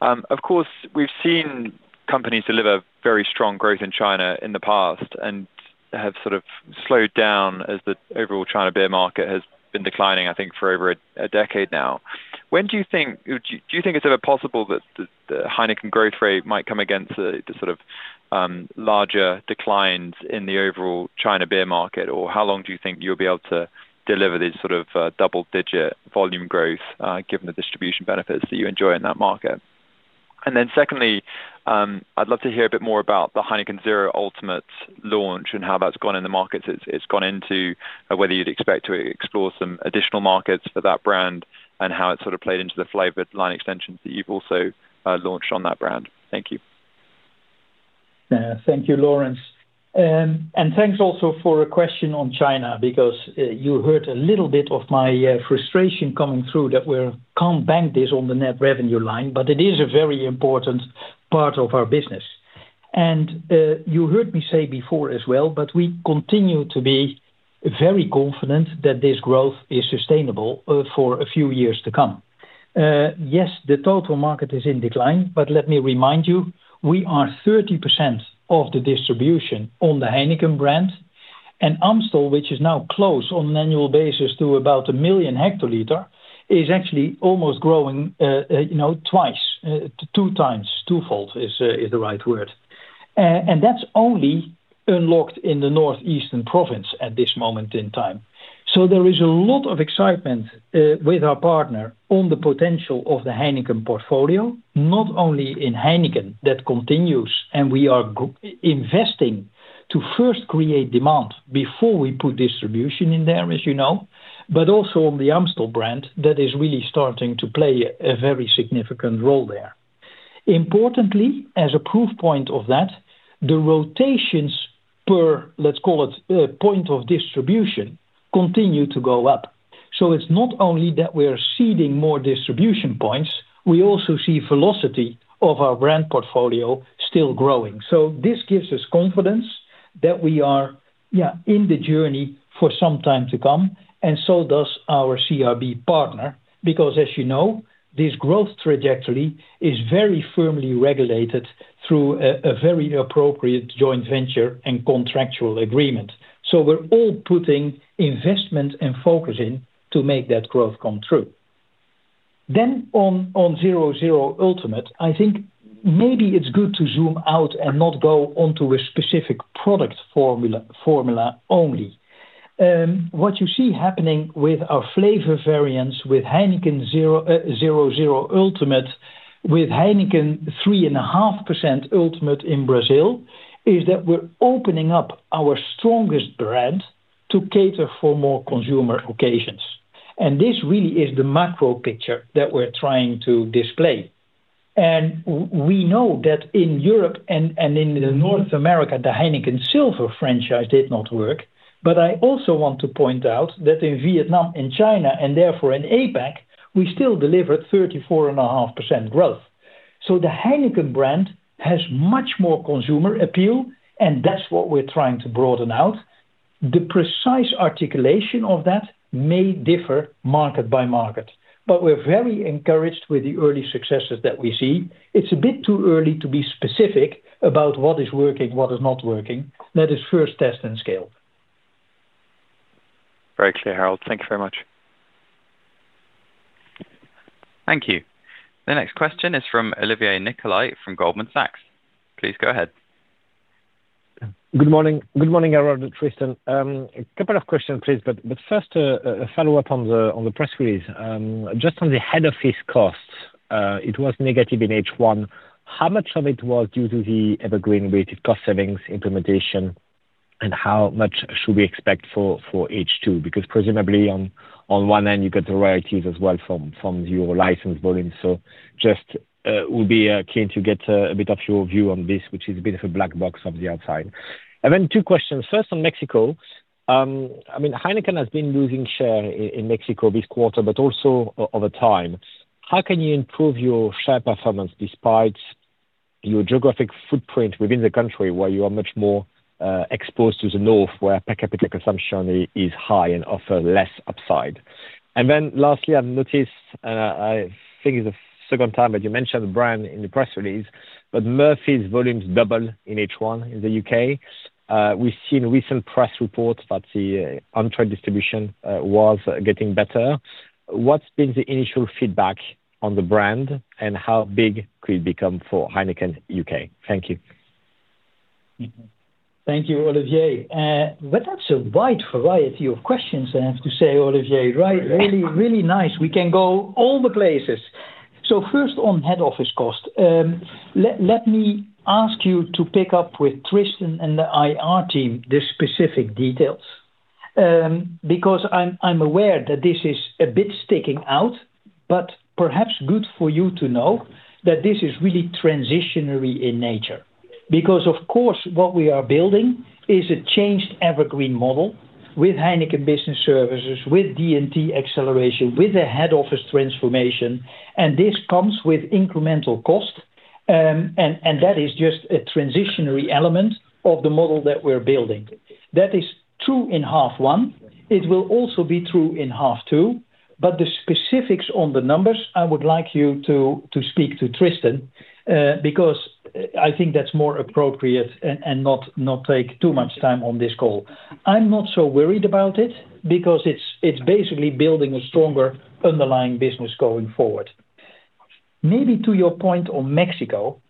S6: Of course, we've seen companies deliver very strong growth in China in the past and have sort of slowed down as the overall China beer market has been declining, I think, for over a decade now. Do you think it's ever possible that the HEINEKEN growth rate might come against the sort of larger declines in the overall China beer market? How long do you think you'll be able to deliver these sort of double-digit volume growth given the distribution benefits that you enjoy in that market? Secondly, I'd love to hear a bit more about the HEINEKEN 0.0 Ultimate launch and how that's gone in the markets it's gone into, whether you'd expect to explore some additional markets for that brand and how it's sort of played into the flavored line extensions that you've also launched on that brand. Thank you.
S3: Thank you, Laurence. Thanks also for a question on China, because you heard a little bit of my frustration coming through that we can't bank this on the net revenue line, but it is a very important part of our business. You heard me say before as well, we continue to be very confident that this growth is sustainable for a few years to come. Yes, the total market is in decline, but let me remind you, we are 30% of the distribution on the HEINEKEN brand. Amstel, which is now close on an annual basis to about 1 million hectoliter, is actually almost growing twice, two times, twofold is the right word. That's only unlocked in the Northeastern province at this moment in time. There is a lot of excitement with our partner on the potential of the HEINEKEN portfolio, not only in Heineken that continues, and we are investing to first create demand before we put distribution in there, as you know, but also on the Amstel brand that is really starting to play a very significant role there. Importantly, as a proof point of that, the rotations per, let's call it, point of distribution continue to go up. It's not only that we're seeding more distribution points, we also see velocity of our brand portfolio still growing. This gives us confidence that we are in the journey for some time to come, and so does our CRB partner, because as you know, this growth trajectory is very firmly regulated through a very appropriate joint venture and contractual agreement. We're all putting investment and focus in to make that growth come true. On HEINEKEN 0.0 Ultimate, I think maybe it's good to zoom out and not go onto a specific product formula only. What you see happening with our flavor variants, with HEINEKEN 0.0 Ultimate, with HEINEKEN 3.5% Ultimate in Brazil, is that we're opening up our strongest brand to cater for more consumer occasions. This really is the macro picture that we're trying to display. We know that in Europe and in the North America, the HEINEKEN Silver franchise did not work. I also want to point out that in Vietnam and China, and therefore in APAC, we still delivered 34.5% growth. The HEINEKEN brand has much more consumer appeal, and that's what we're trying to broaden out. The precise articulation of that may differ market by market, but we're very encouraged with the early successes that we see. It's a bit too early to be specific about what is working, what is not working. That is first test and scale.
S6: Very clear, Harold. Thank you very much.
S1: Thank you. The next question is from Olivier Nicolai from Goldman Sachs. Please go ahead.
S7: Good morning, Harold and Tristan. A couple of questions, please, but first a follow-up on the press release. Just on the head office costs, it was negative in H1. How much of it was due to the EverGreen weighted cost savings implementation, and how much should we expect for H2? Presumably on one end, you get the royalties as well from your license volume. Would be keen to get a bit of your view on this, which is a bit of a black box from the outside. Two questions. On Mexico. HEINEKEN has been losing share in Mexico this quarter but also over time. How can you improve your share performance despite your geographic footprint within the country, where you are much more exposed to the north, where per capita consumption is high and offer less upside? Lastly, I've noticed, and I think it's the second time that you mentioned the brand in the press release, but Murphy's volumes double in H1 in the U.K. We've seen recent press reports that the on-trade distribution was getting better. What's been the initial feedback on the brand, and how big could it become for HEINEKEN U.K.? Thank you.
S3: Thank you, Olivier. That's a wide variety of questions, I have to say, Olivier.
S7: Very wide.
S3: Really nice. We can go all the places. First on head office cost. Let me ask you to pick up with Tristan and the IR team the specific details. I'm aware that this is a bit sticking out, but perhaps good for you to know that this is really transitionary in nature. Of course, what we are building is a changed EverGreen model with HEINEKEN Business Services, with D&T acceleration, with a head office transformation, and this comes with incremental cost. That is just a transitionary element of the model that we're building. That is true in half one. It will also be true in half two, the specifics on the numbers, I would like you to speak to Tristan, because I think that's more appropriate and not take too much time on this call. I'm not so worried about it, because it's basically building a stronger underlying business going forward. Maybe to your point on Mexico,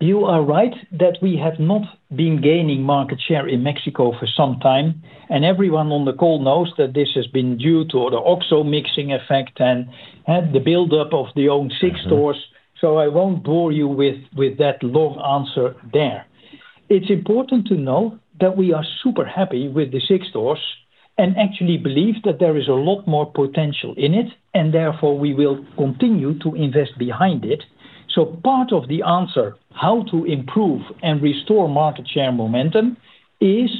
S3: you are right that we have not been gaining market share in Mexico for some time, and everyone on the call knows that this has been due to the OXXO Mixing Effect and had the build-up of the own Six stores. I won't bore you with that long answer there. It's important to know that we are super happy with the Six-store and actually believe that there is a lot more potential in it, and therefore, we will continue to invest behind it. Part of the answer, how to improve and restore market share momentum, is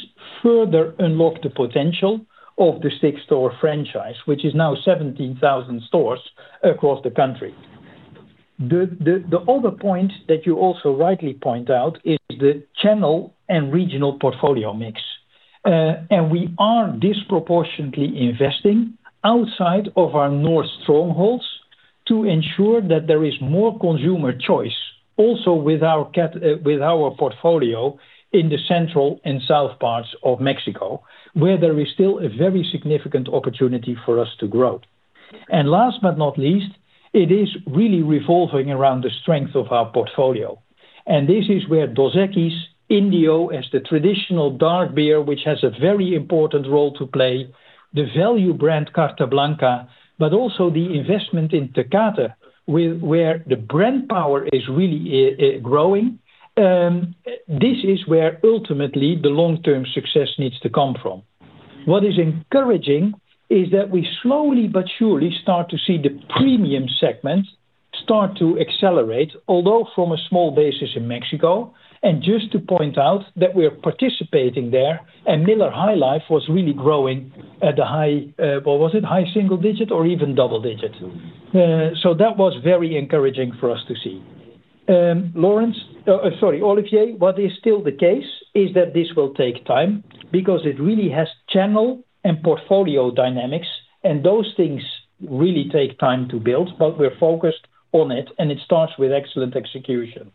S3: further unlock the potential of the Six-store franchise, which is now 17,000 stores across the country. The other point that you also rightly point out is the channel and regional portfolio mix. We are disproportionately investing outside of our North strongholds to ensure that there is more consumer choice also with our portfolio in the Central and South parts of Mexico, where there is still a very significant opportunity for us to grow. Last but not least, it is really revolving around the strength of our portfolio. This is where Dos Equis, Indio as the traditional dark beer, which has a very important role to play, the value brand Carta Blanca, but also the investment in Tecate, where the brand power is really growing. This is where ultimately the long-term success needs to come from. What is encouraging is that we slowly but surely start to see the premium segment start to accelerate, although from a small basis in Mexico. Just to point out that we're participating there, and Miller High Life was really growing at a high, what was it? High-single-digit or even double-digit.
S7: Two.
S3: That was very encouraging for us to see. Olivier, what is still the case is that this will take time because it really has channel and portfolio dynamics, and those things really take time to build, but we're focused on it, and it starts with excellent execution.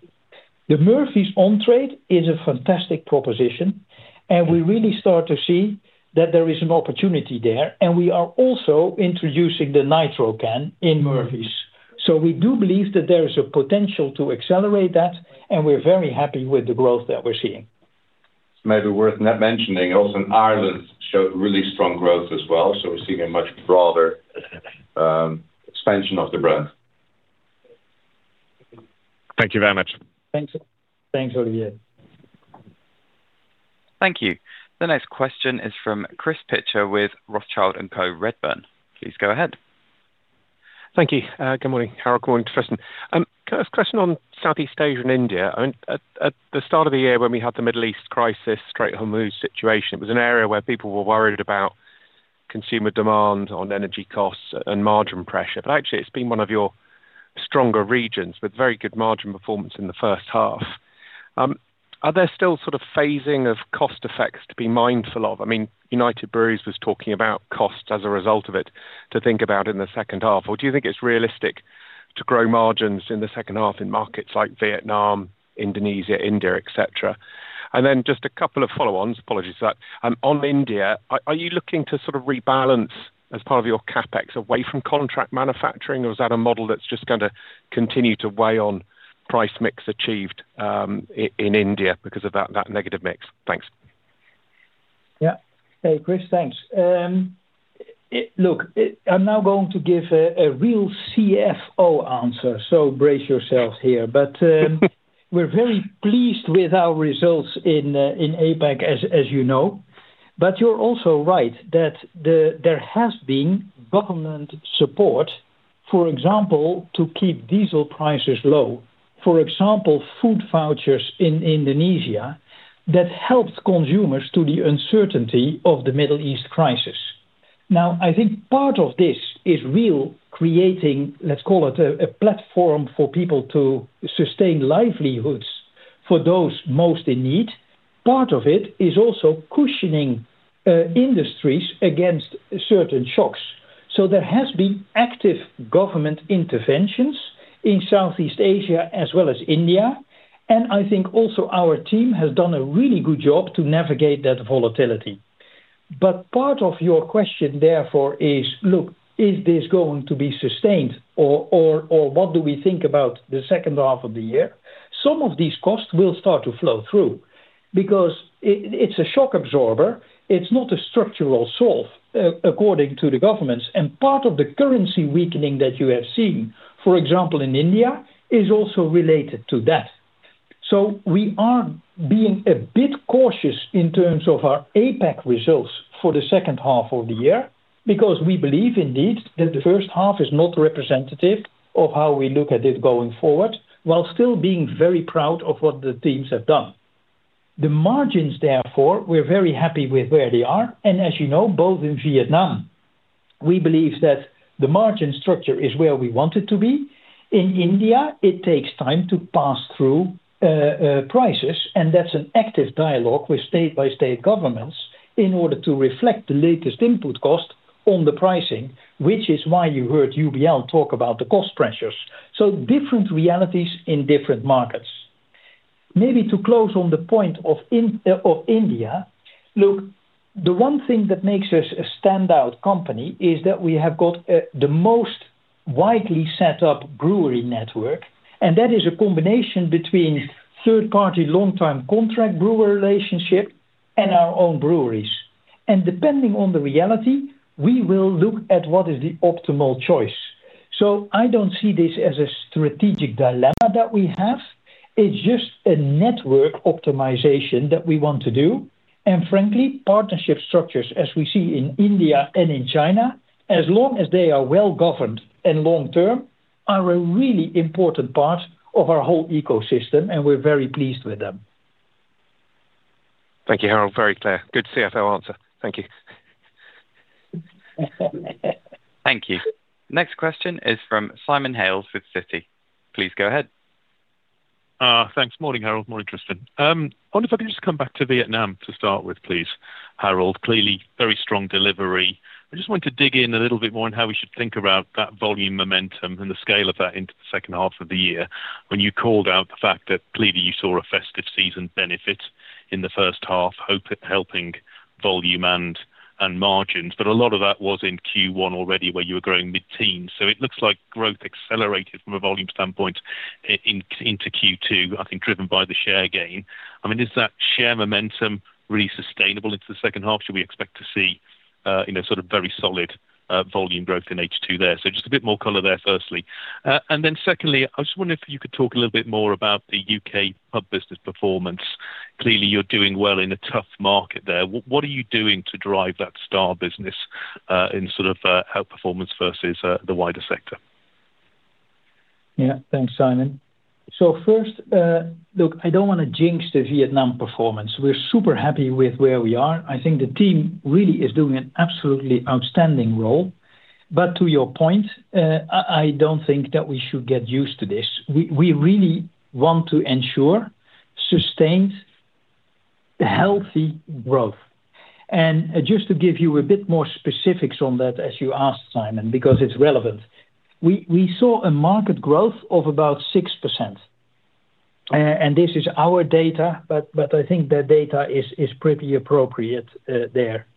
S3: The Murphy's On-Trade is a fantastic proposition, and we really start to see that there is an opportunity there, and we are also introducing the NITRO can in Murphy's. We do believe that there is a potential to accelerate that, and we're very happy with the growth that we're seeing.
S2: It's maybe worth mentioning also Ireland showed really strong growth as well. We're seeing a much broader expansion of the brand.
S7: Thank you very much.
S3: Thanks, Olivier.
S1: Thank you. The next question is from Chris Pitcher with Rothschild & Co Redburn. Please go ahead.
S8: Thank you. Good morning, Harold, good morning to Tristan. A question on Southeast Asia and India. At the start of the year when we had the Middle East crisis, Strait of Hormuz situation, it was an area where people were worried about consumer demand on energy costs and margin pressure. Actually it's been one of your stronger regions with very good margin performance in the first half. Are there still phasing of cost effects to be mindful of? United Breweries was talking about costs as a result of it to think about in the second half. Do you think it's realistic to grow margins in the second half in markets like Vietnam, Indonesia, India, et cetera? Then just a couple of follow-ons. Apologies for that. On India, are you looking to rebalance as part of your CapEx away from contract manufacturing, or is that a model that's just going to continue to weigh on price mix achieved in India because of that negative mix? Thanks.
S3: Hey, Chris. Thanks. I'm now going to give a real CFO answer, so brace yourselves here. We're very pleased with our results in APAC, as you know. You're also right that there has been government support, for example, to keep diesel prices low, for example, food vouchers in Indonesia that helped consumers to the uncertainty of the Middle East crisis. I think part of this is real creating, let's call it, a platform for people to sustain livelihoods for those most in need. Part of it is also cushioning industries against certain shocks. There has been active government interventions in Southeast Asia as well as India, I think also our team has done a really good job to navigate that volatility. Part of your question, therefore, is, look, is this going to be sustained? What do we think about the second half of the year? Some of these costs will start to flow through because it's a shock absorber. It's not a structural solve according to the governments. Part of the currency weakening that you have seen, for example, in India, is also related to that. We are being a bit cautious in terms of our APAC results for the second half of the year because we believe indeed that the first half is not representative of how we look at it going forward while still being very proud of what the teams have done. The margins, therefore, we're very happy with where they are, and as you know, both in Vietnam, we believe that the margin structure is where we want it to be. In India, it takes time to pass through prices, that's an active dialogue with state-by-state governments in order to reflect the latest input cost on the pricing, which is why you heard UBL talk about the cost pressures. Different realities in different markets. Maybe to close on the point of India, the one thing that makes us a standout company is that we have got the most widely set-up brewery network, that is a combination between third-party long-term contract brewer relationship and our own breweries. Depending on the reality, we will look at what is the optimal choice. I don't see this as a strategic dilemma that we have. It's just a network optimization that we want to do. Frankly, partnership structures, as we see in India and in China, as long as they are well-governed and long-term, are a really important part of our whole ecosystem, and we're very pleased with them.
S8: Thank you, Harold. Very clear. Good CFO answer. Thank you.
S1: Thank you. Next question is from Simon Hales with Citi. Please go ahead.
S9: Thanks. Morning, Harold. Morning, Tristan. Wonder if I could just come back to Vietnam to start with, please, Harold. Clearly very strong delivery. I just want to dig in a little bit more on how we should think about that volume momentum and the scale of that into the second half of the year. When you called out the fact that clearly you saw a festive season benefit in the first half, helping volume and margins, but a lot of that was in Q1 already where you were growing mid-teens. It looks like growth accelerated from a volume standpoint into Q2, I think driven by the share gain. Is that share momentum really sustainable into the second half? Should we expect to see very solid volume growth in H2 there? Just a bit more color there, firstly. Secondly, I was just wondering if you could talk a little bit more about the U.K. pub business performance. Clearly, you're doing well in a tough market there. What are you doing to drive that Star Pubs business in outperformance versus the wider sector?
S3: Yeah. Thanks, Simon. First, look, I don't want to jinx the Vietnam performance. We're super happy with where we are. I think the team really is doing an absolutely outstanding role. To your point, I don't think that we should get used to this. We really want to ensure sustained healthy growth. Just to give you a bit more specifics on that, as you asked, Simon, because it's relevant. We saw a market growth of about 6%, and this is our data, but I think the data is pretty appropriate there.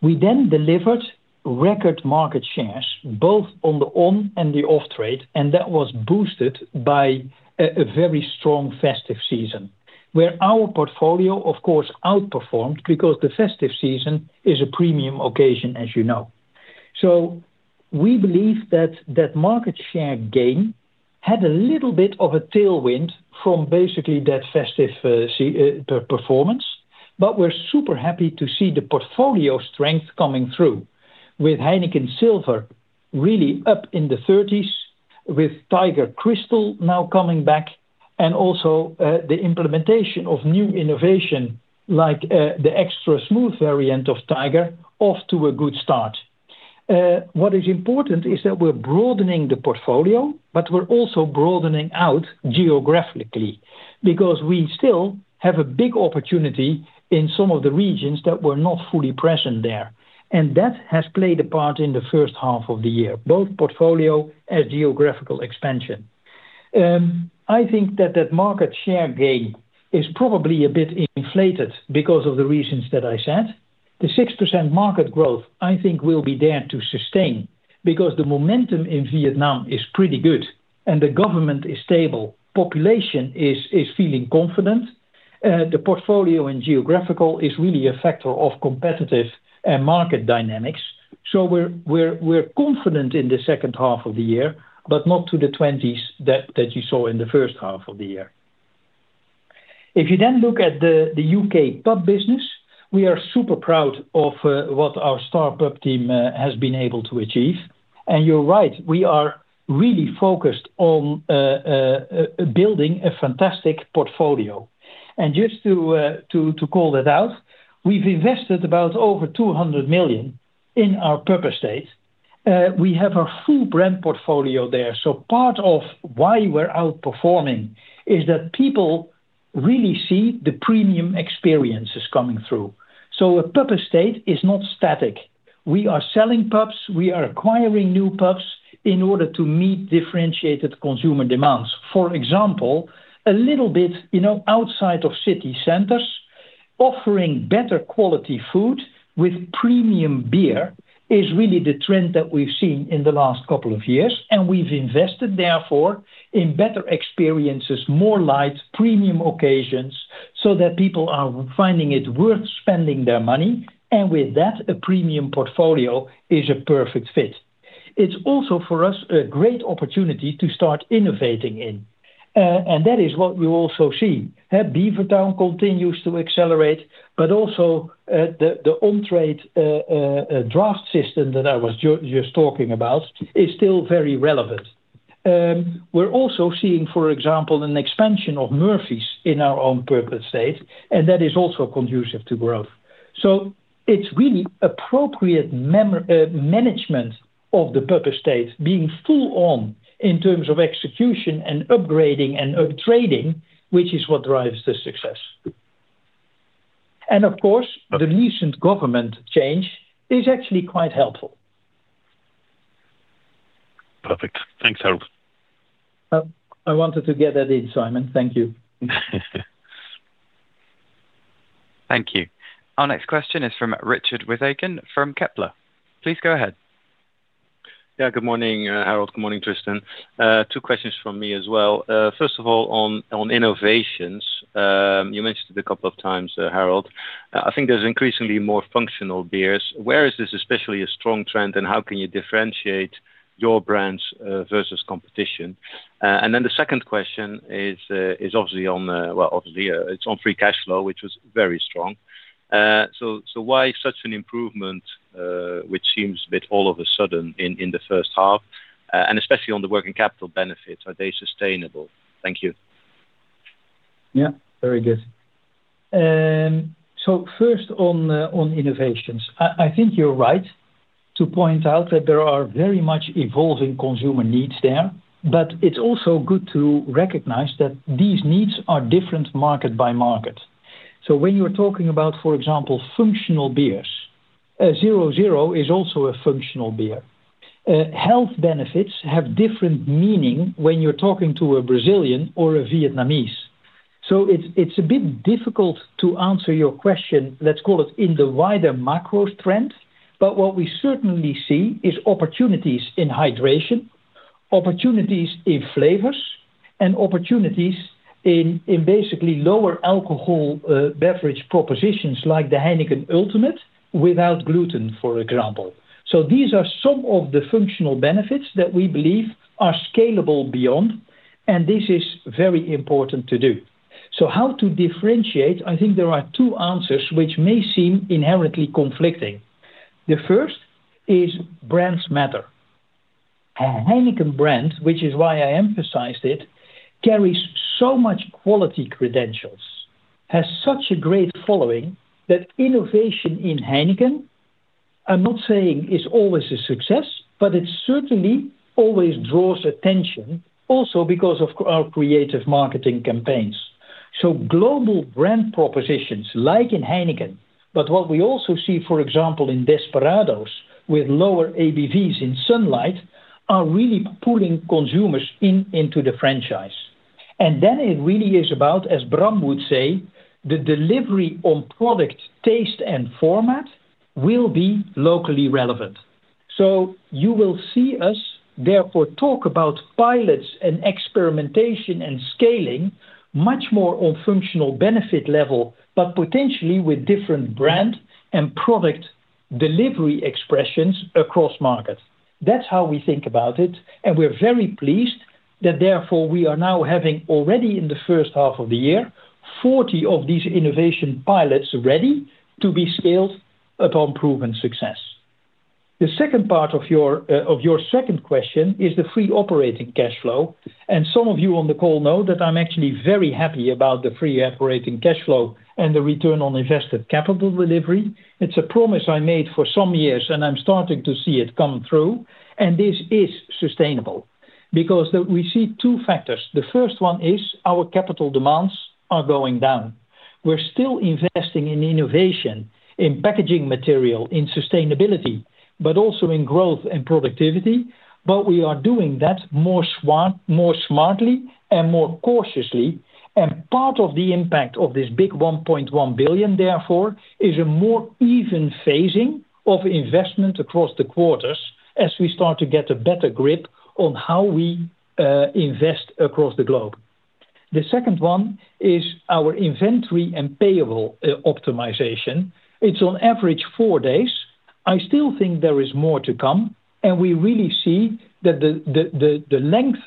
S3: We then delivered record market shares, both on the on and the off-trade, and that was boosted by a very strong festive season, where our portfolio, of course, outperformed because the festive season is a premium occasion, as you know. We believe that that market share gain had a little bit of a tailwind from basically that festive performance. We're super happy to see the portfolio strength coming through with HEINEKEN Silver really up in the 30s, with Tiger Crystal now coming back, and also, the implementation of new innovation, like the EXTRA SMOOTH variant of Tiger, off to a good start. What is important is that we're broadening the portfolio, but we're also broadening out geographically because we still have a big opportunity in some of the regions that we're not fully present there. That has played a part in the first half of the year, both portfolio and geographical expansion. I think that that market share gain is probably a bit inflated because of the reasons that I said. The 6% market growth, I think, will be there to sustain because the momentum in Vietnam is pretty good and the government is stable. Population is feeling confident. The portfolio and geographical is really a factor of competitive and market dynamics. We're confident in the second half of the year, but not to the 20s that you saw in the first half of the year. If you then look at the U.K. pub business, we are super proud of what our Star Pubs team has been able to achieve. You're right, we are really focused on building a fantastic portfolio. Just to call that out, we've invested about over 200 million in our pub estate. We have a full brand portfolio there. Part of why we're outperforming is that people really see the premium experiences coming through. A pub estate is not static. We are selling pubs, we are acquiring new pubs in order to meet differentiated consumer demands. For example, a little bit outside of city centers, offering better quality food with premium beer is really the trend that we've seen in the last couple of years. We've invested, therefore, in better experiences, more lights, premium occasions, so that people are finding it worth spending their money. With that, a premium portfolio is a perfect fit. It's also, for us, a great opportunity to start innovating in. That is what we also see. Beavertown continues to accelerate, but also, the on-trade draught system that I was just talking about is still very relevant. We're also seeing, for example, an expansion of Murphy's in our on-premise estate, and that is also conducive to growth. It's really appropriate management of the pub estate being full on in terms of execution and upgrading and up-trading, which is what drives the success. Of course, the recent government change is actually quite helpful.
S9: Perfect. Thanks, Harold.
S3: I wanted to get that in, Simon. Thank you.
S1: Thank you. Our next question is from Richard Withagen from Kepler. Please go ahead.
S10: Yeah, good morning, Harold. Good morning, Tristan. Two questions from me as well. First of all, on innovations. You mentioned it a couple of times, Harold. I think there's increasingly more functional beers. Where is this especially a strong trend, and how can you differentiate your brands versus competition? Then the second question is obviously on, well, obviously, it's on free cash flow, which was very strong. Why such an improvement, which seems a bit all of a sudden in the first half, and especially on the working capital benefits, are they sustainable? Thank you.
S3: Yeah, very good. First on innovations. I think you're right to point out that there are very much evolving consumer needs there, it's also good to recognize that these needs are different market by market. When you're talking about, for example, functional beers, HEINEKEN 0.0 is also a functional beer. Health benefits have different meaning when you're talking to a Brazilian or a Vietnamese. It's a bit difficult to answer your question, let's call it in the wider macro trend. What we certainly see is opportunities in hydration, opportunities in flavors, and opportunities in basically lower alcohol beverage propositions like the HEINEKEN Ultimate without gluten, for example. These are some of the functional benefits that we believe are scalable beyond, and this is very important to do. How to differentiate, I think there are two answers which may seem inherently conflicting. The first is brands matter. A HEINEKEN brand, which is why I emphasized it, carries so much quality credentials, has such a great following, that innovation in HEINEKEN I'm not saying it's always a success, but it certainly always draws attention also because of our creative marketing campaigns. Global brand propositions like in HEINEKEN, what we also see, for example, in Desperados with lower ABVs in SUNLIGHT, are really pulling consumers into the franchise. Then it really is about, as Bram would say, the delivery on product taste and format will be locally relevant. You will see us therefore talk about pilots and experimentation and scaling much more on functional benefit level, but potentially with different brand and product delivery expressions across markets. That's how we think about it, and we're very pleased that therefore we are now having already in the first half of the year, 40 of these innovation pilots ready to be scaled upon proven success. The second part of your second question is the free operating cash flow. Some of you on the call know that I'm actually very happy about the free operating cash flow and the return on invested capital delivery. It's a promise I made for some years, and I'm starting to see it come through, and this is sustainable because we see two factors. The first one is our capital demands are going down. We're still investing in innovation, in packaging material, in sustainability, but also in growth and productivity. We are doing that more smartly and more cautiously. Part of the impact of this big 1.1 billion, therefore, is a more even phasing of investment across the quarters as we start to get a better grip on how we invest across the globe. The second one is our inventory and payable optimization. It's on average four days. I still think there is more to come, and we really see that the length,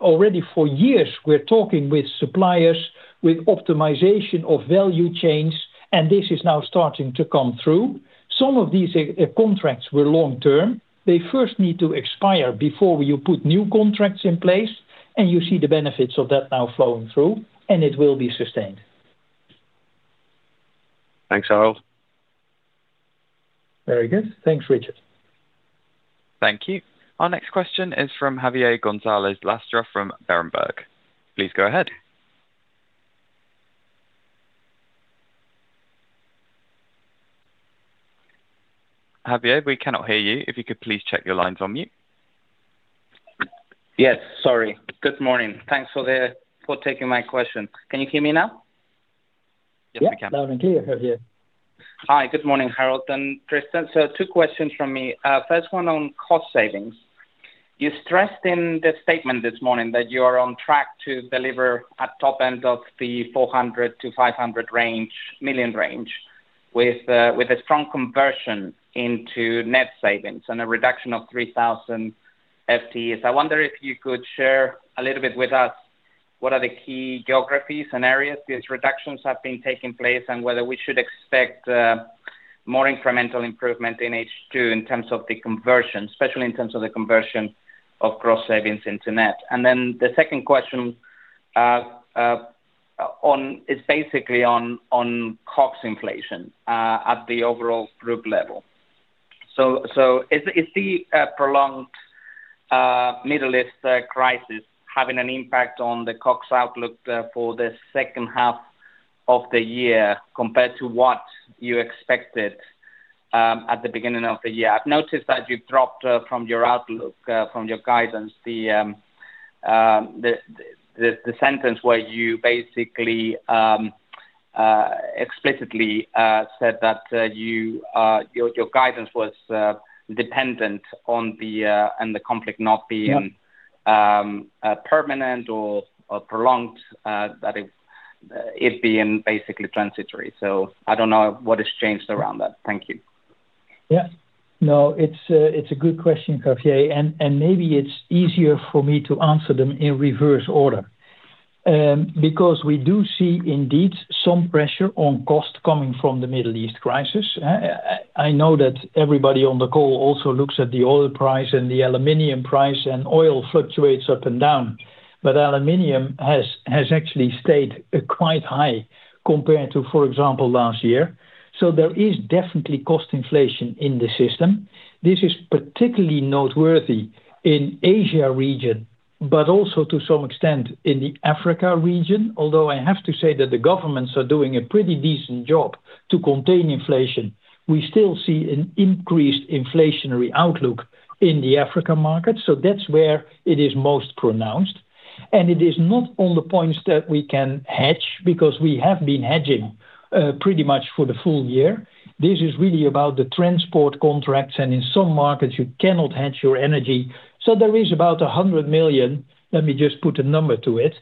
S3: already for years, we're talking with suppliers, with optimization of value chains, and this is now starting to come through. Some of these contracts were long-term. They first need to expire before you put new contracts in place, and you see the benefits of that now flowing through, and it will be sustained.
S10: Thanks, Harold.
S3: Very good. Thanks, Richard.
S1: Thank you. Our next question is from Javier Gonzalez Lastra from Berenberg. Please go ahead. Javier, we cannot hear you. If you could please check your line's on mute.
S11: Yes, sorry. Good morning. Thanks for taking my question. Can you hear me now?
S3: Yeah. Loud and clear, Javier.
S11: Hi. Good morning, Harold and Tristan. Two questions from me. First one on cost savings. You stressed in the statement this morning that you are on track to deliver at top end of the 400 million-500 million range with a strong conversion into net savings and a reduction of 3,000 FTEs. I wonder if you could share a little bit with us what are the key geographies and areas these reductions have been taking place, and whether we should expect more incremental improvement in H2 in terms of the conversion, especially in terms of the conversion of gross savings into net. The second question is basically on COGS inflation at the overall group level. Is the prolonged Middle East crisis having an impact on the COGS outlook for the second half of the year compared to what you expected at the beginning of the year? I've noticed that you've dropped from your outlook, from your guidance, the sentence where you basically explicitly said that your guidance was dependent on the conflict not being-
S3: Yeah.
S11: permanent or prolonged, that it being basically transitory. I don't know what has changed around that. Thank you.
S3: Yeah. No, it's a good question, Javier, maybe it's easier for me to answer them in reverse order. We do see indeed some pressure on cost coming from the Middle East crisis. I know that everybody on the call also looks at the oil price and the aluminum price, and oil fluctuates up and down. Aluminum has actually stayed quite high compared to, for example, last year. There is definitely cost inflation in the system. This is particularly noteworthy in Asia region, but also to some extent in the Africa region. I have to say that the governments are doing a pretty decent job to contain inflation. We still see an increased inflationary outlook in the Africa market, so that's where it is most pronounced. It is not on the points that we can hedge, because we have been hedging pretty much for the full year. This is really about the transport contracts, and in some markets, you cannot hedge your energy. There is about 100 million, let me just put a number to it,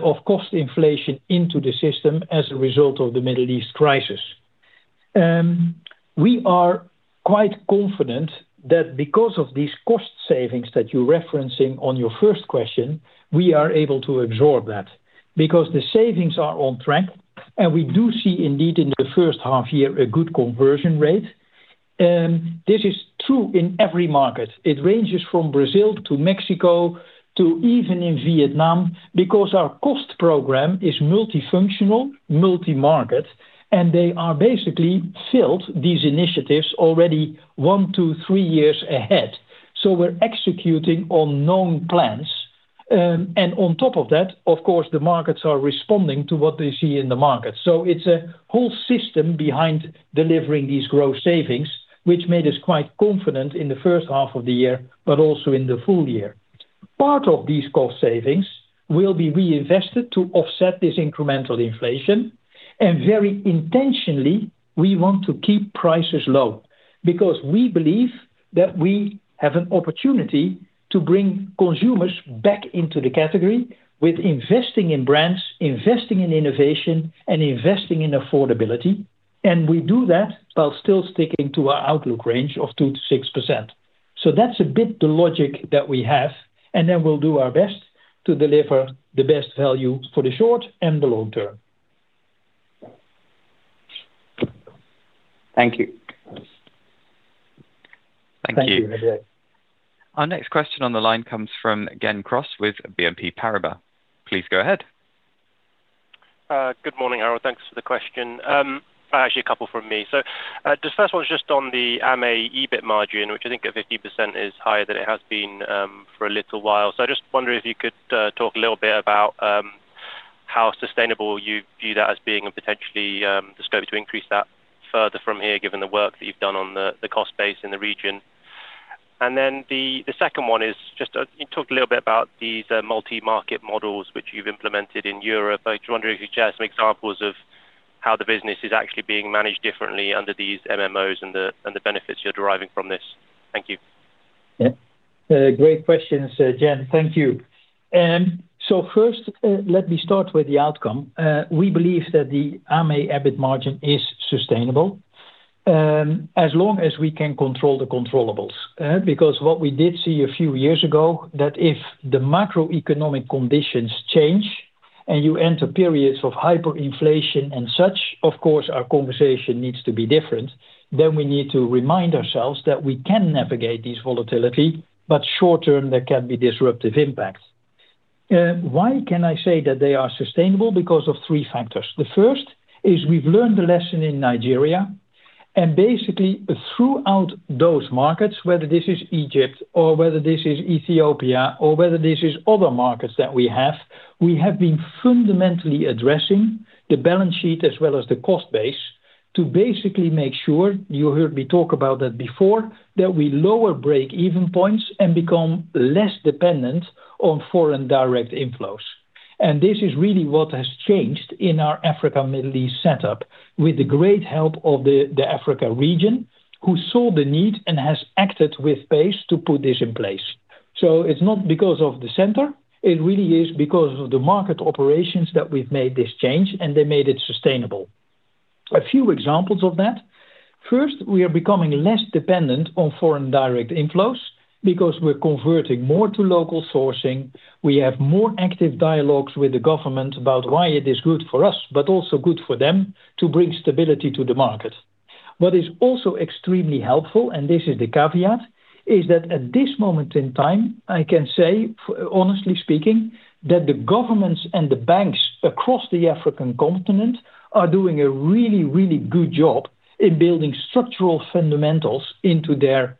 S3: of cost inflation into the system as a result of the Middle East crisis. We are quite confident that because of these cost savings that you're referencing on your first question, we are able to absorb that because the savings are on track, and we do see indeed in the first half year a good conversion rate. This is true in every market. It ranges from Brazil to Mexico to even in Vietnam, because our cost program is multifunctional, multi-market, and they are basically filled, these initiatives, already one to three years ahead. We're executing on known plans. On top of that, of course, the markets are responding to what they see in the market. It's a whole system behind delivering these growth savings, which made us quite confident in the first half of the year, but also in the full-year. Part of these cost savings will be reinvested to offset this incremental inflation. Very intentionally, we want to keep prices low because we believe that we have an opportunity to bring consumers back into the category with investing in brands, investing in innovation, and investing in affordability. We do that while still sticking to our outlook range of 2%-6%. That's a bit the logic that we have. We'll do our best to deliver the best value for the short and the long term.
S11: Thank you.
S1: Thank you.
S3: Thank you, Javier.
S1: Our next question on the line comes from Gen Cross with BNP Paribas. Please go ahead.
S12: Good morning, Harold. Thanks for the question. Actually, a couple from me. The first one's just on the AME EBIT margin, which I think at 50% is higher than it has been for a little while. I just wonder if you could talk a little bit about how sustainable you view that as being and potentially the scope to increase that further from here, given the work that you've done on the cost base in the region. The second one is just you talked a little bit about these Multi-Market Models which you've implemented in Europe. I just wonder if you could share some examples of how the business is actually being managed differently under these MMOs and the benefits you're deriving from this. Thank you.
S3: Great questions, Gen. Thank you. First, let me start with the outcome. We believe that the AME EBIT margin is sustainable, as long as we can control the controllables. Because what we did see a few years ago, that if the macroeconomic conditions change and you enter periods of hyperinflation and such, of course, our conversation needs to be different, then we need to remind ourselves that we can navigate these volatility, but short term, there can be disruptive impacts. Why can I say that they are sustainable? Because of three factors. The first is we've learned the lesson in Nigeria. Basically throughout those markets, whether this is Egypt or whether this is Ethiopia or whether this is other markets that we have, we have been fundamentally addressing the balance sheet as well as the cost base to basically make sure, you heard me talk about that before, that we lower break-even points and become less dependent on foreign direct inflows. This is really what has changed in our Africa, Middle East setup with the great help of the Africa region, who saw the need and has acted with pace to put this in place. It's not because of the center. It really is because of the market operations that we've made this change, and they made it sustainable. A few examples of that. First, we are becoming less dependent on foreign direct inflows because we're converting more to local sourcing. We have more active dialogues with the government about why it is good for us, but also good for them to bring stability to the market. What is also extremely helpful, and this is the caveat, is that at this moment in time, I can say, honestly speaking, that the governments and the banks across the African continent are doing a really good job in building structural fundamentals into their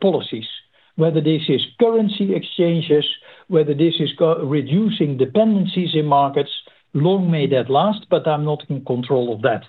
S3: policies, whether this is currency exchanges, whether this is reducing dependencies in markets long may that last, but I'm not in control of that.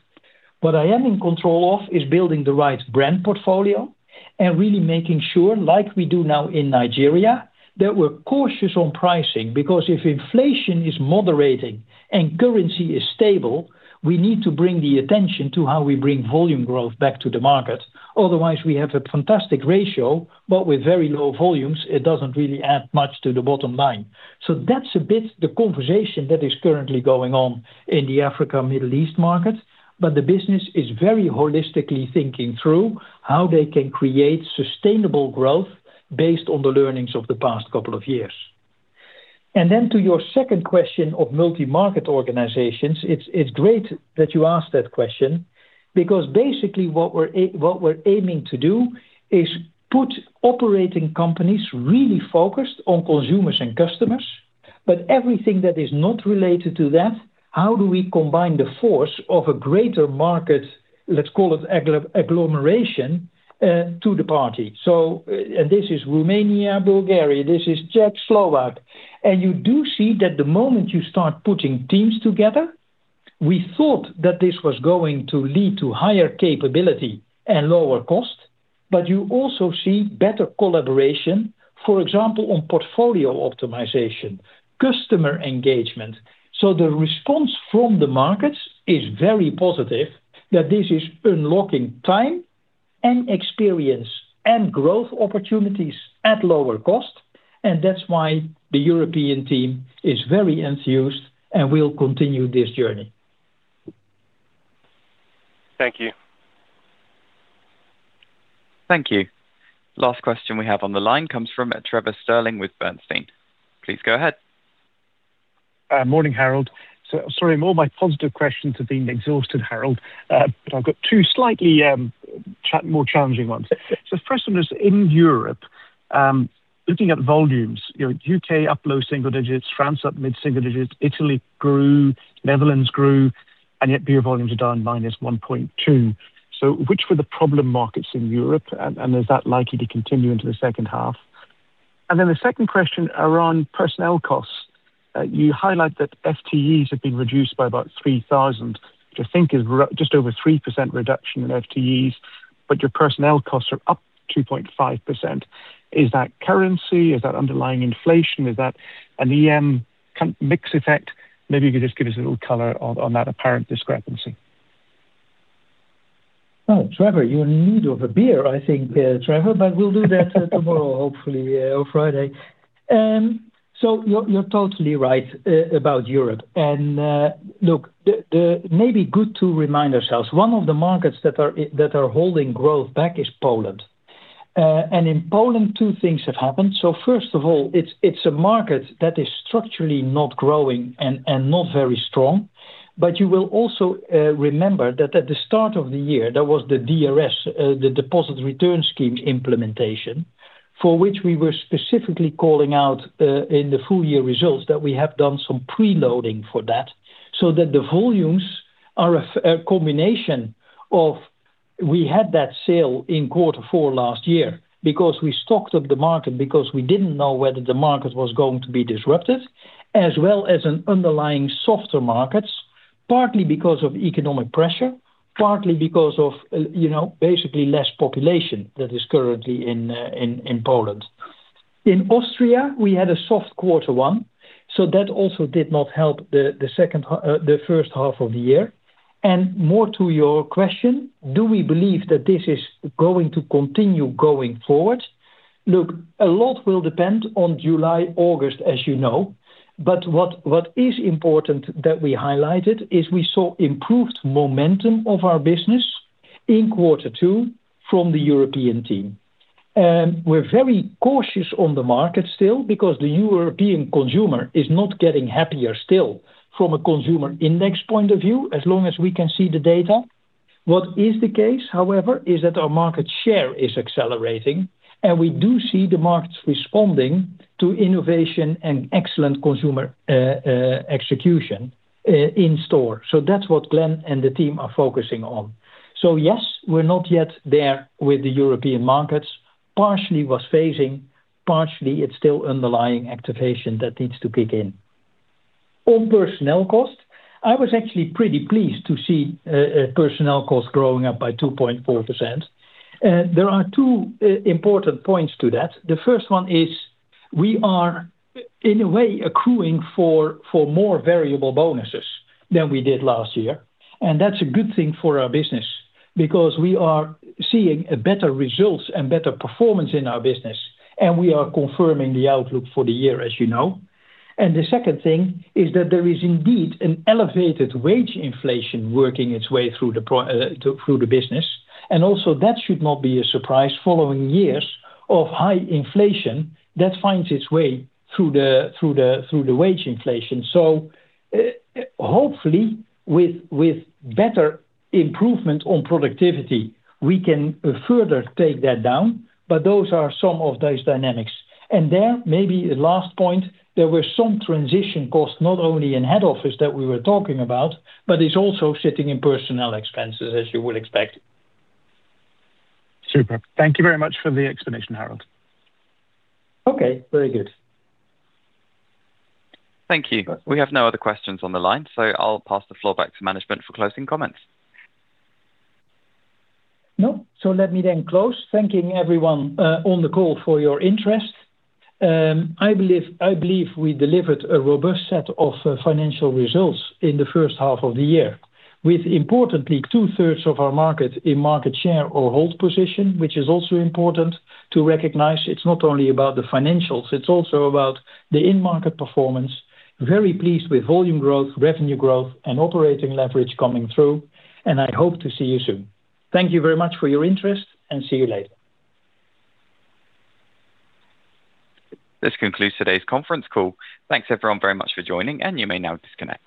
S3: What I am in control of is building the right brand portfolio and really making sure, like we do now in Nigeria, that we're cautious on pricing because if inflation is moderating and currency is stable, we need to bring the attention to how we bring volume growth back to the market. Otherwise, we have a fantastic ratio, but with very low volumes, it doesn't really add much to the bottom line. That's a bit the conversation that is currently going on in the Africa, Middle East market, but the business is very holistically thinking through how they can create sustainable growth based on the learnings of the past couple of years. To your second question of Multi-Market Organizations, it's great that you asked that question because basically what we're aiming to do is put operating companies really focused on consumers and customers. Everything that is not related to that, how do we combine the force of a greater market, let's call it agglomeration, to the party? This is Romania, Bulgaria, this is Czech, Slovak, you do see that the moment you start putting teams together, we thought that this was going to lead to higher capability and lower cost, but you also see better collaboration, for example, on portfolio optimization, customer engagement. The response from the markets is very positive that this is unlocking time and experience and growth opportunities at lower cost, that's why the European team is very enthused and will continue this journey.
S12: Thank you.
S1: Thank you. Last question we have on the line comes from Trevor Stirling with Bernstein. Please go ahead.
S13: Morning, Harold. Sorry, all my positive questions have been exhausted, Harold, but I've got two slightly more challenging ones. The first one is in Europe, looking at volumes, U.K. up low-single digits, France up mid-single digits, Italy grew, Netherlands grew, and yet beer volumes are down -1.2%. Which were the problem markets in Europe, and is that likely to continue into the second half? The second question around personnel costs. You highlight that FTEs have been reduced by about 3,000, which I think is just over 3% reduction in FTEs, but your personnel costs are up 2.5%. Is that currency? Is that underlying inflation? Is that an EM mix effect? Maybe you could just give us a little color on that apparent discrepancy.
S3: Trevor, you're in need of a beer, I think, Trevor, but we'll do that tomorrow, hopefully, or Friday. You're totally right about Europe. Look, maybe good to remind ourselves, one of the markets that are holding growth back is Poland. In Poland, two things have happened. First of all, it's a market that is structurally not growing and not very strong. You will also remember that at the start of the year, there was the DRS, the Deposit Return Scheme implementation, for which we were specifically calling out, in the full year results, that we have done some pre-loading for that. The volumes are a combination of, we had that sale in quarter four last year because we stocked up the market because we didn't know whether the market was going to be disrupted, as well as an underlying softer markets, partly because of economic pressure, partly because of basically less population that is currently in Poland. In Austria, we had a soft quarter one. That also did not help the first half of the year. More to your question, do we believe that this is going to continue going forward? Look, a lot will depend on July, August, as you know. What is important that we highlighted is we saw improved momentum of our business in quarter two from the European team. We are very cautious on the market still, because the European consumer is not getting happier still from a consumer index point of view, as long as we can see the data. What is the case, however, is that our market share is accelerating, and we do see the markets responding to innovation and excellent consumer execution in store. That is what Glenn and the team are focusing on. Yes, we are not yet there with the European markets. It partially was phasing, partially it is still underlying activation that needs to kick in. On personnel costs, I was actually pretty pleased to see personnel costs growing up by 2.4%. There are two important points to that. The first one is, we are, in a way, accruing for more variable bonuses than we did last year. That is a good thing for our business, because we are seeing better results and better performance in our business, and we are confirming the outlook for the year, as you know. The second thing is that there is indeed an elevated wage inflation working its way through the business. Also that should not be a surprise following years of high inflation that finds its way through the wage inflation. Hopefully, with better improvement on productivity, we can further take that down. Those are some of those dynamics. There, maybe a last point, there were some transition costs, not only in head office that we were talking about, but it is also sitting in personnel expenses, as you would expect.
S13: Super. Thank you very much for the explanation, Harold.
S3: Okay. Very good.
S1: Thank you. We have no other questions on the line. I'll pass the floor back to management for closing comments.
S3: Let me close, thanking everyone on the call for your interest. I believe we delivered a robust set of financial results in the first half of the year, with importantly 2/3 of our market in market share or hold position, which is also important to recognize. It's not only about the financials, it's also about the in-market performance. Very pleased with volume growth, revenue growth, and operating leverage coming through, and I hope to see you soon. Thank you very much for your interest, and see you later.
S1: This concludes today's conference call. Thanks, everyone, very much for joining, and you may now disconnect.